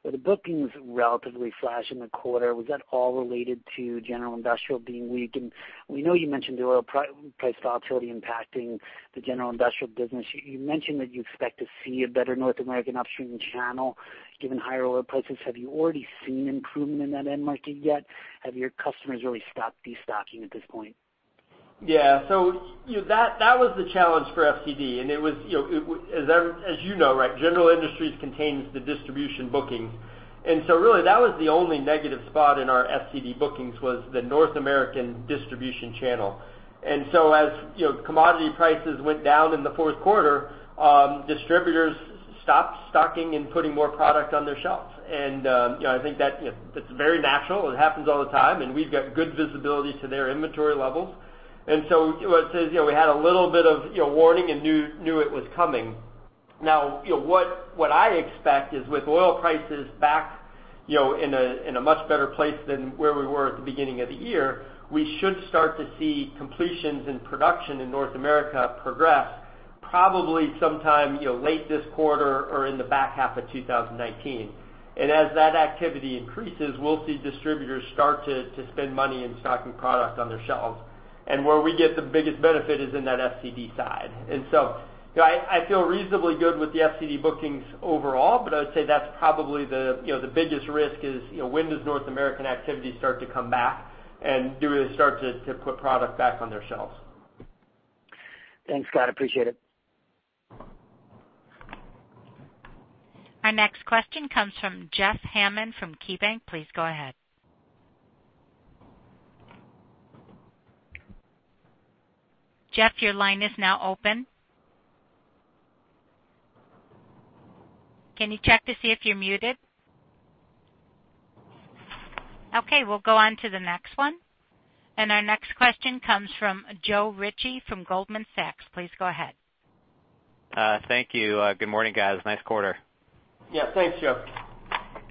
Speaker 9: Were the bookings relatively flash in the quarter? Was that all related to general industrial being weak? We know you mentioned the oil price volatility impacting the general industrial business. You mentioned that you expect to see a better North American upstream channel given higher oil prices. Have you already seen improvement in that end market yet? Have your customers really stopped destocking at this point?
Speaker 3: Yeah. That was the challenge for FCD, and as you know, general industries contains the distribution bookings. Really that was the only negative spot in our FCD bookings was the North American distribution channel. As commodity prices went down in the fourth quarter, distributors stopped stocking and putting more product on their shelves. I think that's very natural. It happens all the time, and we've got good visibility to their inventory levels. What I'd say is we had a little bit of warning and knew it was coming. What I expect is with oil prices back in a much better place than where we were at the beginning of the year, we should start to see completions and production in North America progress probably sometime late this quarter or in the back half of 2019. As that activity increases, we'll see distributors start to spend money in stocking product on their shelves. Where we get the biggest benefit is in that FCD side. I feel reasonably good with the FCD bookings overall, but I would say that's probably the biggest risk is, when does North American activity start to come back and do they start to put product back on their shelves?
Speaker 9: Thanks, Scott. Appreciate it.
Speaker 1: Our next question comes from Jeffrey Hammond from KeyBank. Please go ahead. Jeff, your line is now open. Can you check to see if you're muted? Okay, we'll go on to the next one. Our next question comes from Joe Ritchie from Goldman Sachs. Please go ahead.
Speaker 10: Thank you. Good morning, guys. Nice quarter.
Speaker 3: Yeah. Thanks, Joe.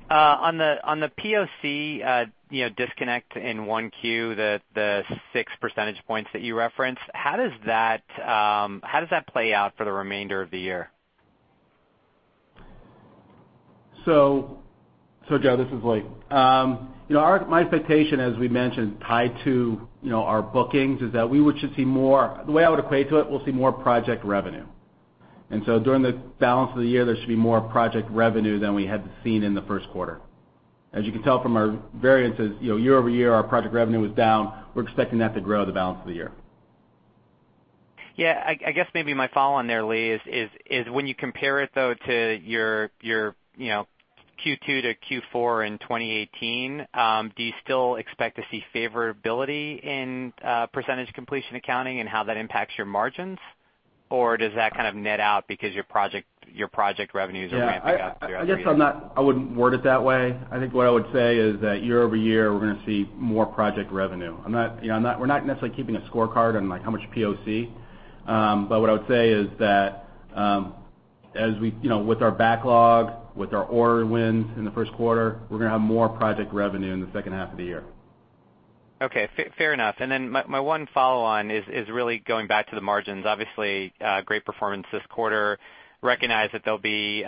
Speaker 10: On the POC disconnect in 1Q, the 6 percentage points that you referenced, how does that play out for the remainder of the year?
Speaker 4: Joe, this is Lee. My expectation, as we mentioned, tied to our bookings, is that we should see more. The way I would equate to it, we'll see more project revenue. During the balance of the year, there should be more project revenue than we had seen in the first quarter. As you can tell from our variances, year-over-year, our project revenue was down. We're expecting that to grow the balance of the year.
Speaker 10: Yeah. I guess maybe my follow on there, Lee, is when you compare it though, to your 2Q to 4Q in 2018, do you still expect to see favorability in percentage completion accounting and how that impacts your margins? Or does that kind of net out because your project revenues are ramping up year-over-year?
Speaker 4: Yeah. I guess I wouldn't word it that way. I think what I would say is that year-over-year, we're going to see more project revenue. We're not necessarily keeping a scorecard on how much POC. What I would say is that, with our backlog, with our order wins in the first quarter, we're going to have more project revenue in the second half of the year.
Speaker 10: Okay. Fair enough. My one follow on is really going back to the margins. Obviously, great performance this quarter. Recognize that there'll be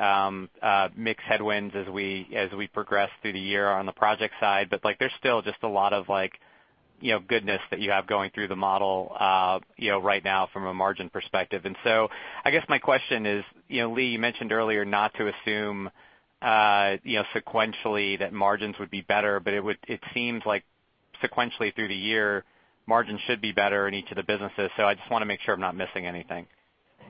Speaker 10: mixed headwinds as we progress through the year on the project side. There's still just a lot of goodness that you have going through the model right now from a margin perspective. I guess my question is, Lee, you mentioned earlier not to assume sequentially that margins would be better, it seems like sequentially through the year, margins should be better in each of the businesses. I just want to make sure I'm not missing anything.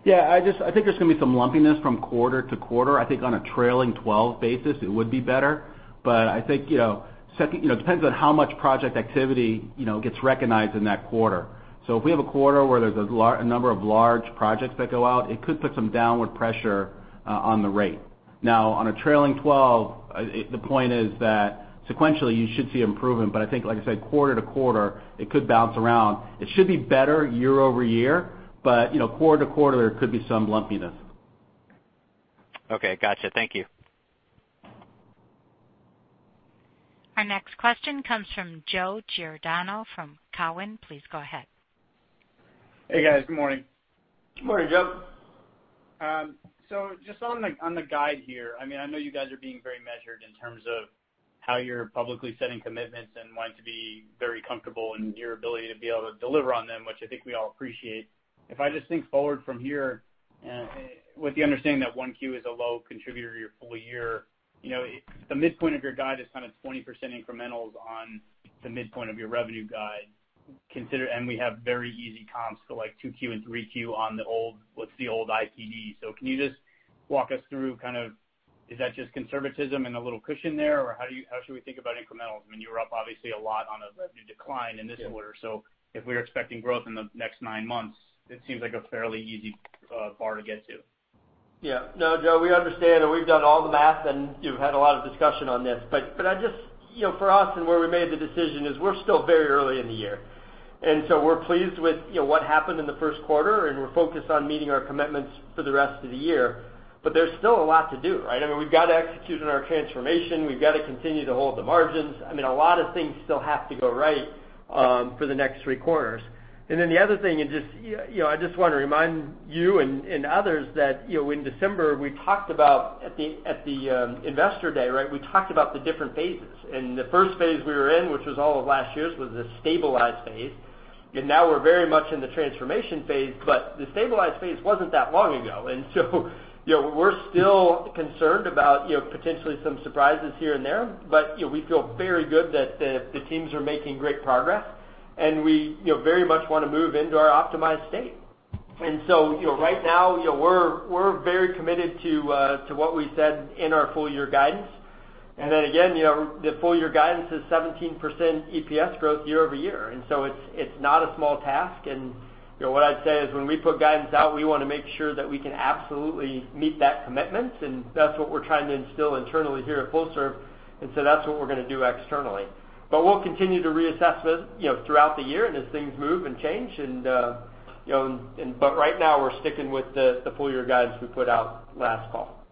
Speaker 4: Yeah. I think there's going to be some lumpiness from quarter to quarter. I think on a trailing 12 basis, it would be better. I think it depends on how much project activity gets recognized in that quarter. If we have a quarter where there's a number of large projects that go out, it could put some downward pressure on the rate. Now, on a trailing 12, the point is that sequentially you should see improvement. I think, like I said, quarter to quarter, it could bounce around. It should be better year-over-year, quarter to quarter, there could be some lumpiness.
Speaker 10: Okay, got you. Thank you.
Speaker 1: Our next question comes from Joe Giordano from Cowen. Please go ahead.
Speaker 11: Hey, guys. Good morning.
Speaker 3: Good morning, Joe.
Speaker 11: Just on the guide here, I know you guys are being very measured in terms of how you're publicly setting commitments and wanting to be very comfortable in your ability to be able to deliver on them, which I think we all appreciate. If I just think forward from here, with the understanding that 1Q is a low contributor to your full year, the midpoint of your guide is kind of 20% incrementals on the midpoint of your revenue guide. We have very easy comps for 2Q and 3Q on what's the old IPD. Can you just walk us through, is that just conservatism and a little cushion there? Or how should we think about incrementals? I mean, you were up obviously a lot on a revenue decline in this quarter. If we're expecting growth in the next nine months, it seems like a fairly easy bar to get to.
Speaker 3: Yeah. No, Joe, we understand, and we've done all the math, and we've had a lot of discussion on this. For us and where we made the decision is we're still very early in the year. We're pleased with what happened in the 1st quarter, and we're focused on meeting our commitments for the rest of the year. There's still a lot to do, right? I mean, we've got to execute on our transformation. We've got to continue to hold the margins. A lot of things still have to go right for the next three quarters. The other thing, I just want to remind you and others that in December, at the Investor Day, we talked about the different phases. The 1st phase we were in, which was all of last year's, was the stabilize phase. Now we're very much in the transformation phase, but the stabilize phase wasn't that long ago. We're still concerned about potentially some surprises here and there. We feel very good that the teams are making great progress, and we very much want to move into our optimized state. Right now, we're very committed to what we said in our full-year guidance. Again, the full-year guidance is 17% EPS growth year-over-year. It's not a small task. What I'd say is when we put guidance out, we want to make sure that we can absolutely meet that commitment. That's what we're trying to instill internally here at Flowserve, and that's what we're going to do externally. We'll continue to reassess it throughout the year and as things move and change. Right now, we're sticking with the full-year guidance we put out last fall.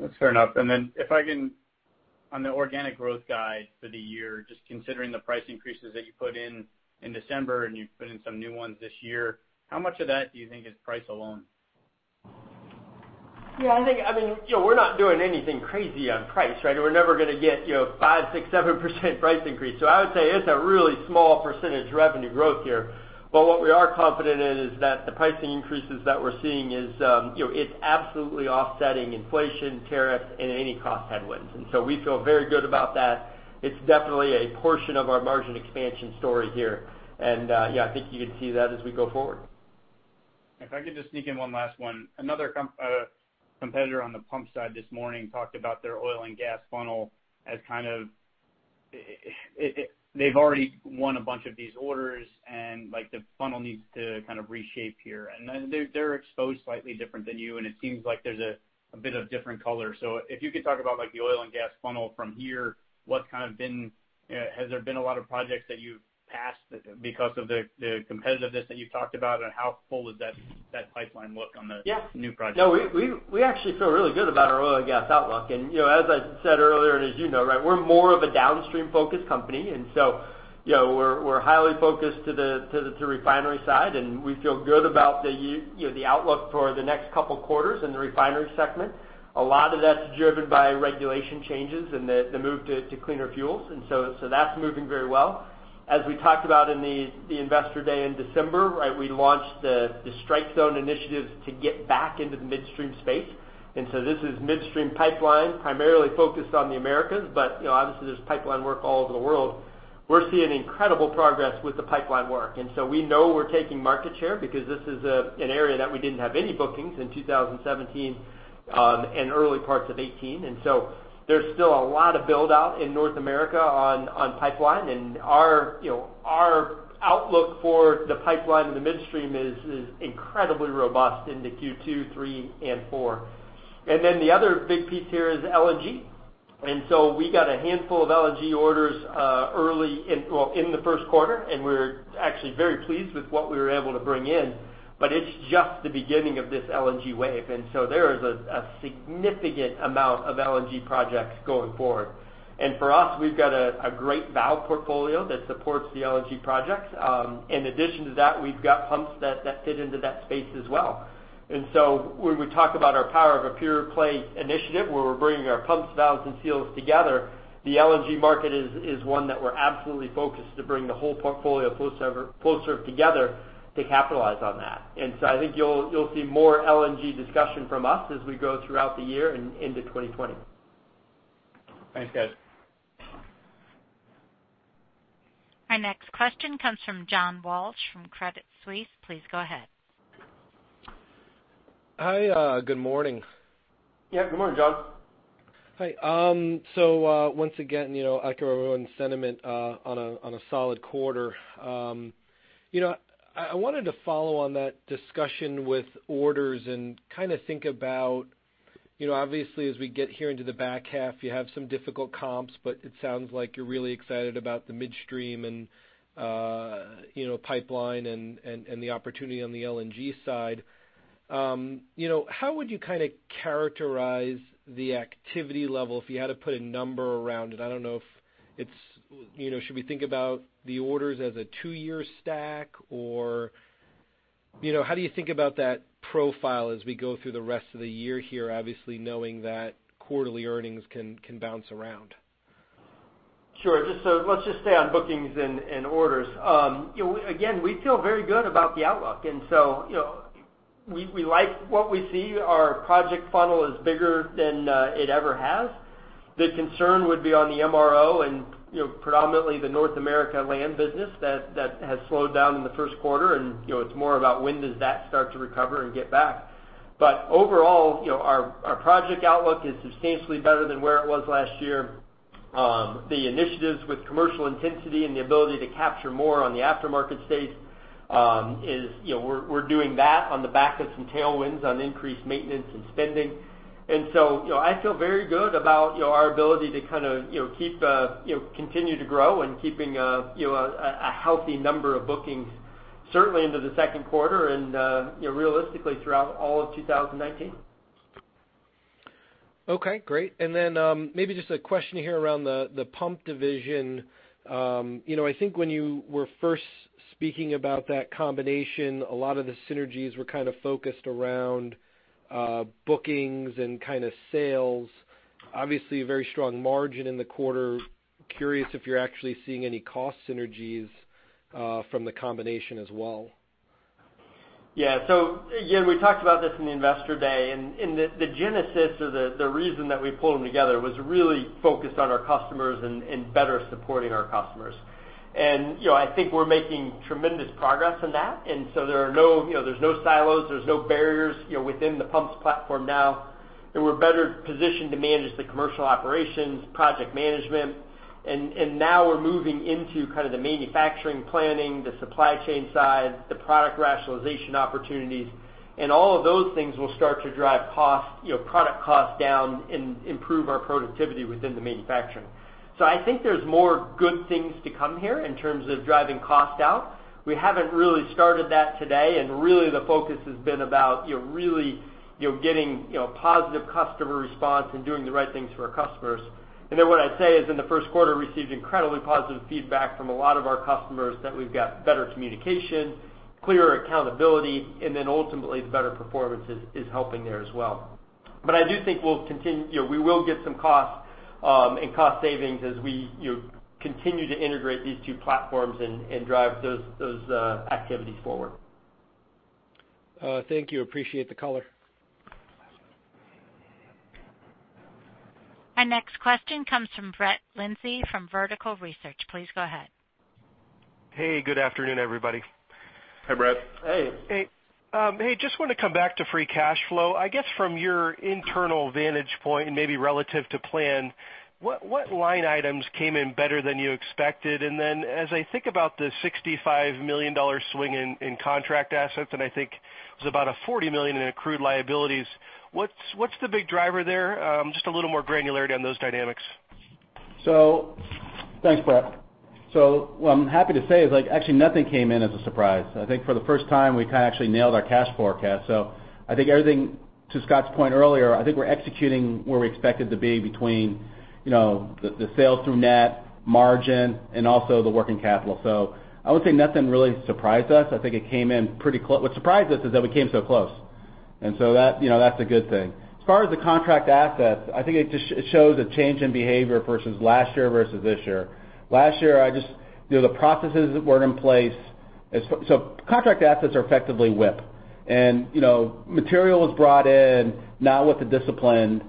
Speaker 11: That's fair enough. On the organic growth guide for the year, just considering the price increases that you put in December, and you've put in some new ones this year, how much of that do you think is price alone?
Speaker 3: Yeah. We're not doing anything crazy on price, right? We're never going to get 5%, 6%, 7% price increase. I would say it's a really small percentage revenue growth here. What we are confident in is that the pricing increases that we're seeing is absolutely offsetting inflation, tariff, and any cost headwinds. We feel very good about that. It's definitely a portion of our margin expansion story here. Yeah, I think you can see that as we go forward.
Speaker 11: If I could just sneak in one last one. Another competitor on the pump side this morning talked about their oil and gas funnel as kind of, they've already won a bunch of these orders, and the funnel needs to kind of reshape here. They're exposed slightly different than you, and it seems like there's a bit of different color. If you could talk about the oil and gas funnel from here, has there been a lot of projects that you've passed because of the competitiveness that you've talked about, and how full does that pipeline look on the-
Speaker 3: Yeah
Speaker 11: new projects?
Speaker 3: No, we actually feel really good about our oil and gas outlook. As I said earlier, and as you know, we're more of a downstream-focused company, we're highly focused to the refinery side, and we feel good about the outlook for the next couple of quarters in the refinery segment. A lot of that's driven by regulation changes and the move to cleaner fuels, that's moving very well. As we talked about in the Investor Day in December, we launched the Strike Zone initiatives to get back into the midstream space. This is midstream pipeline, primarily focused on the Americas, but obviously there's pipeline work all over the world. We're seeing incredible progress with the pipeline work, we know we're taking market share because this is an area that we didn't have any bookings in 2017, and early parts of 2018. There's still a lot of build-out in North America on pipeline, and our outlook for the pipeline in the midstream is incredibly robust into Q2, 3 and 4. The other big piece here is LNG. We got a handful of LNG orders in the first quarter, and we're actually very pleased with what we were able to bring in. It's just the beginning of this LNG wave, there is a significant amount of LNG projects going forward. For us, we've got a great valve portfolio that supports the LNG projects. In addition to that, we've got pumps that fit into that space as well. When we talk about our Power of a Pure Play initiative, where we're bringing our pumps, valves, and seals together, the LNG market is one that we're absolutely focused to bring the whole portfolio of Flowserve together to capitalize on that. I think you'll see more LNG discussion from us as we go throughout the year and into 2020.
Speaker 11: Thanks, guys.
Speaker 1: Our next question comes from John Walsh from Credit Suisse. Please go ahead.
Speaker 12: Hi. Good morning.
Speaker 3: Yeah. Good morning, John.
Speaker 12: Hi. Once again, echo everyone's sentiment, on a solid quarter. I wanted to follow on that discussion with orders and kind of think about, obviously as we get here into the back half, you have some difficult comps, but it sounds like you're really excited about the midstream and pipeline and the opportunity on the LNG side. How would you characterize the activity level if you had to put a number around it? I don't know, should we think about the orders as a two-year stack, or how do you think about that profile as we go through the rest of the year here, obviously knowing that quarterly earnings can bounce around?
Speaker 3: Sure. Let's just stay on bookings and orders. Again, we feel very good about the outlook. We like what we see. Our project funnel is bigger than it ever has. The concern would be on the MRO and predominantly the North America land business that has slowed down in the first quarter. It's more about when does that start to recover and get back. Overall, our project outlook is substantially better than where it was last year. The initiatives with Commercial Intensity and the ability to capture more on the aftermarket space, we're doing that on the back of some tailwinds on increased maintenance and spending. I feel very good about our ability to continue to grow and keeping a healthy number of bookings certainly into the second quarter and, realistically, throughout all of 2019.
Speaker 12: Okay, great. Maybe just a question here around the pump division. I think when you were first speaking about that combination, a lot of the synergies were focused around bookings and sales. Obviously, a very strong margin in the quarter. Curious if you're actually seeing any cost synergies from the combination as well.
Speaker 3: Yeah. Again, we talked about this in the Investor Day. The genesis or the reason that we pulled them together was really focused on our customers and better supporting our customers. I think we're making tremendous progress on that. There's no silos, there's no barriers within the pumps platform now. We're better positioned to manage the commercial operations, project management. Now we're moving into the manufacturing planning, the supply chain side, the product rationalization opportunities. All of those things will start to drive product cost down and improve our productivity within the manufacturing. I think there's more good things to come here in terms of driving cost out. We haven't really started that today. The focus has been about really getting positive customer response and doing the right things for our customers. What I'd say is in the first quarter, received incredibly positive feedback from a lot of our customers that we've got better communication, clearer accountability. Ultimately, the better performance is helping there as well. I do think we will get some cost and cost savings as we continue to integrate these two platforms and drive those activities forward.
Speaker 12: Thank you. Appreciate the color.
Speaker 1: Our next question comes from Brett Lin-Shi from Vertical Research. Please go ahead.
Speaker 13: Hey, good afternoon, everybody.
Speaker 3: Hi, Brett. Hey.
Speaker 13: Hey, just want to come back to free cash flow. I guess from your internal vantage point and maybe relative to plan, what line items came in better than you expected? As I think about the $65 million swing in contract assets, and I think it was about a $40 million in accrued liabilities, what's the big driver there? Just a little more granularity on those dynamics.
Speaker 4: Thanks, Brett. What I'm happy to say is actually nothing came in as a surprise. I think for the first time, we kind of actually nailed our cash forecast. I think everything, to Scott's point earlier, I think we're executing where we expected to be between the sales through net, margin, and also the working capital. I would say nothing really surprised us. I think it came in pretty close. What surprised us is that we came so close, that's a good thing. As far as the contract assets, I think it shows a change in behavior versus last year versus this year. Last year, the processes weren't in place. Contract assets are effectively whip, and material was brought in not with the discipline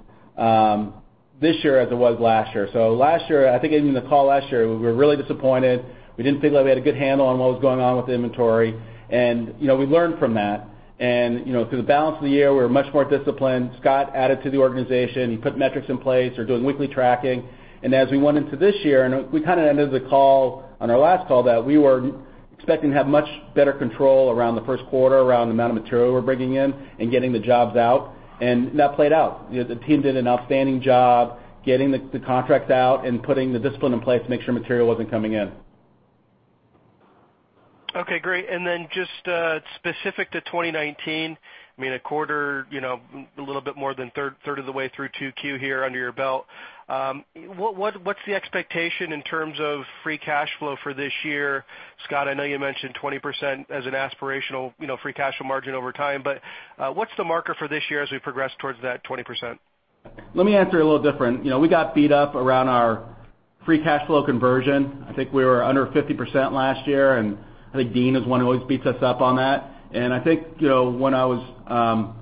Speaker 4: this year as it was last year. Last year, I think even the call last year, we were really disappointed. We didn't feel like we had a good handle on what was going on with the inventory. We learned from that. Through the balance of the year, we were much more disciplined. Scott added to the organization. He put metrics in place. We're doing weekly tracking. As we went into this year, and we kind of ended the call on our last call that we were expecting to have much better control around the first quarter around the amount of material we're bringing in and getting the jobs out, and that played out. The team did an outstanding job getting the contracts out and putting the discipline in place to make sure material wasn't coming in.
Speaker 13: Okay, great. Just specific to 2019, a quarter, a little bit more than a third of the way through two Q here under your belt. What's the expectation in terms of free cash flow for this year? Scott, I know you mentioned 20% as an aspirational free cash flow margin over time, what's the marker for this year as we progress towards that 20%?
Speaker 4: Let me answer a little different. We got beat up around our free cash flow conversion. I think we were under 50% last year, and I think Deane is one who always beats us up on that. I think when I was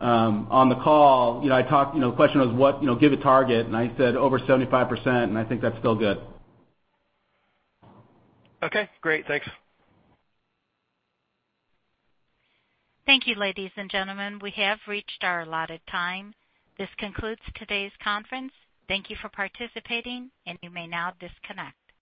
Speaker 4: on the call, the question was, "Give a target," and I said over 75%, and I think that's still good.
Speaker 13: Okay, great. Thanks.
Speaker 1: Thank you, ladies and gentlemen. We have reached our allotted time. This concludes today's conference. Thank you for participating, and you may now disconnect.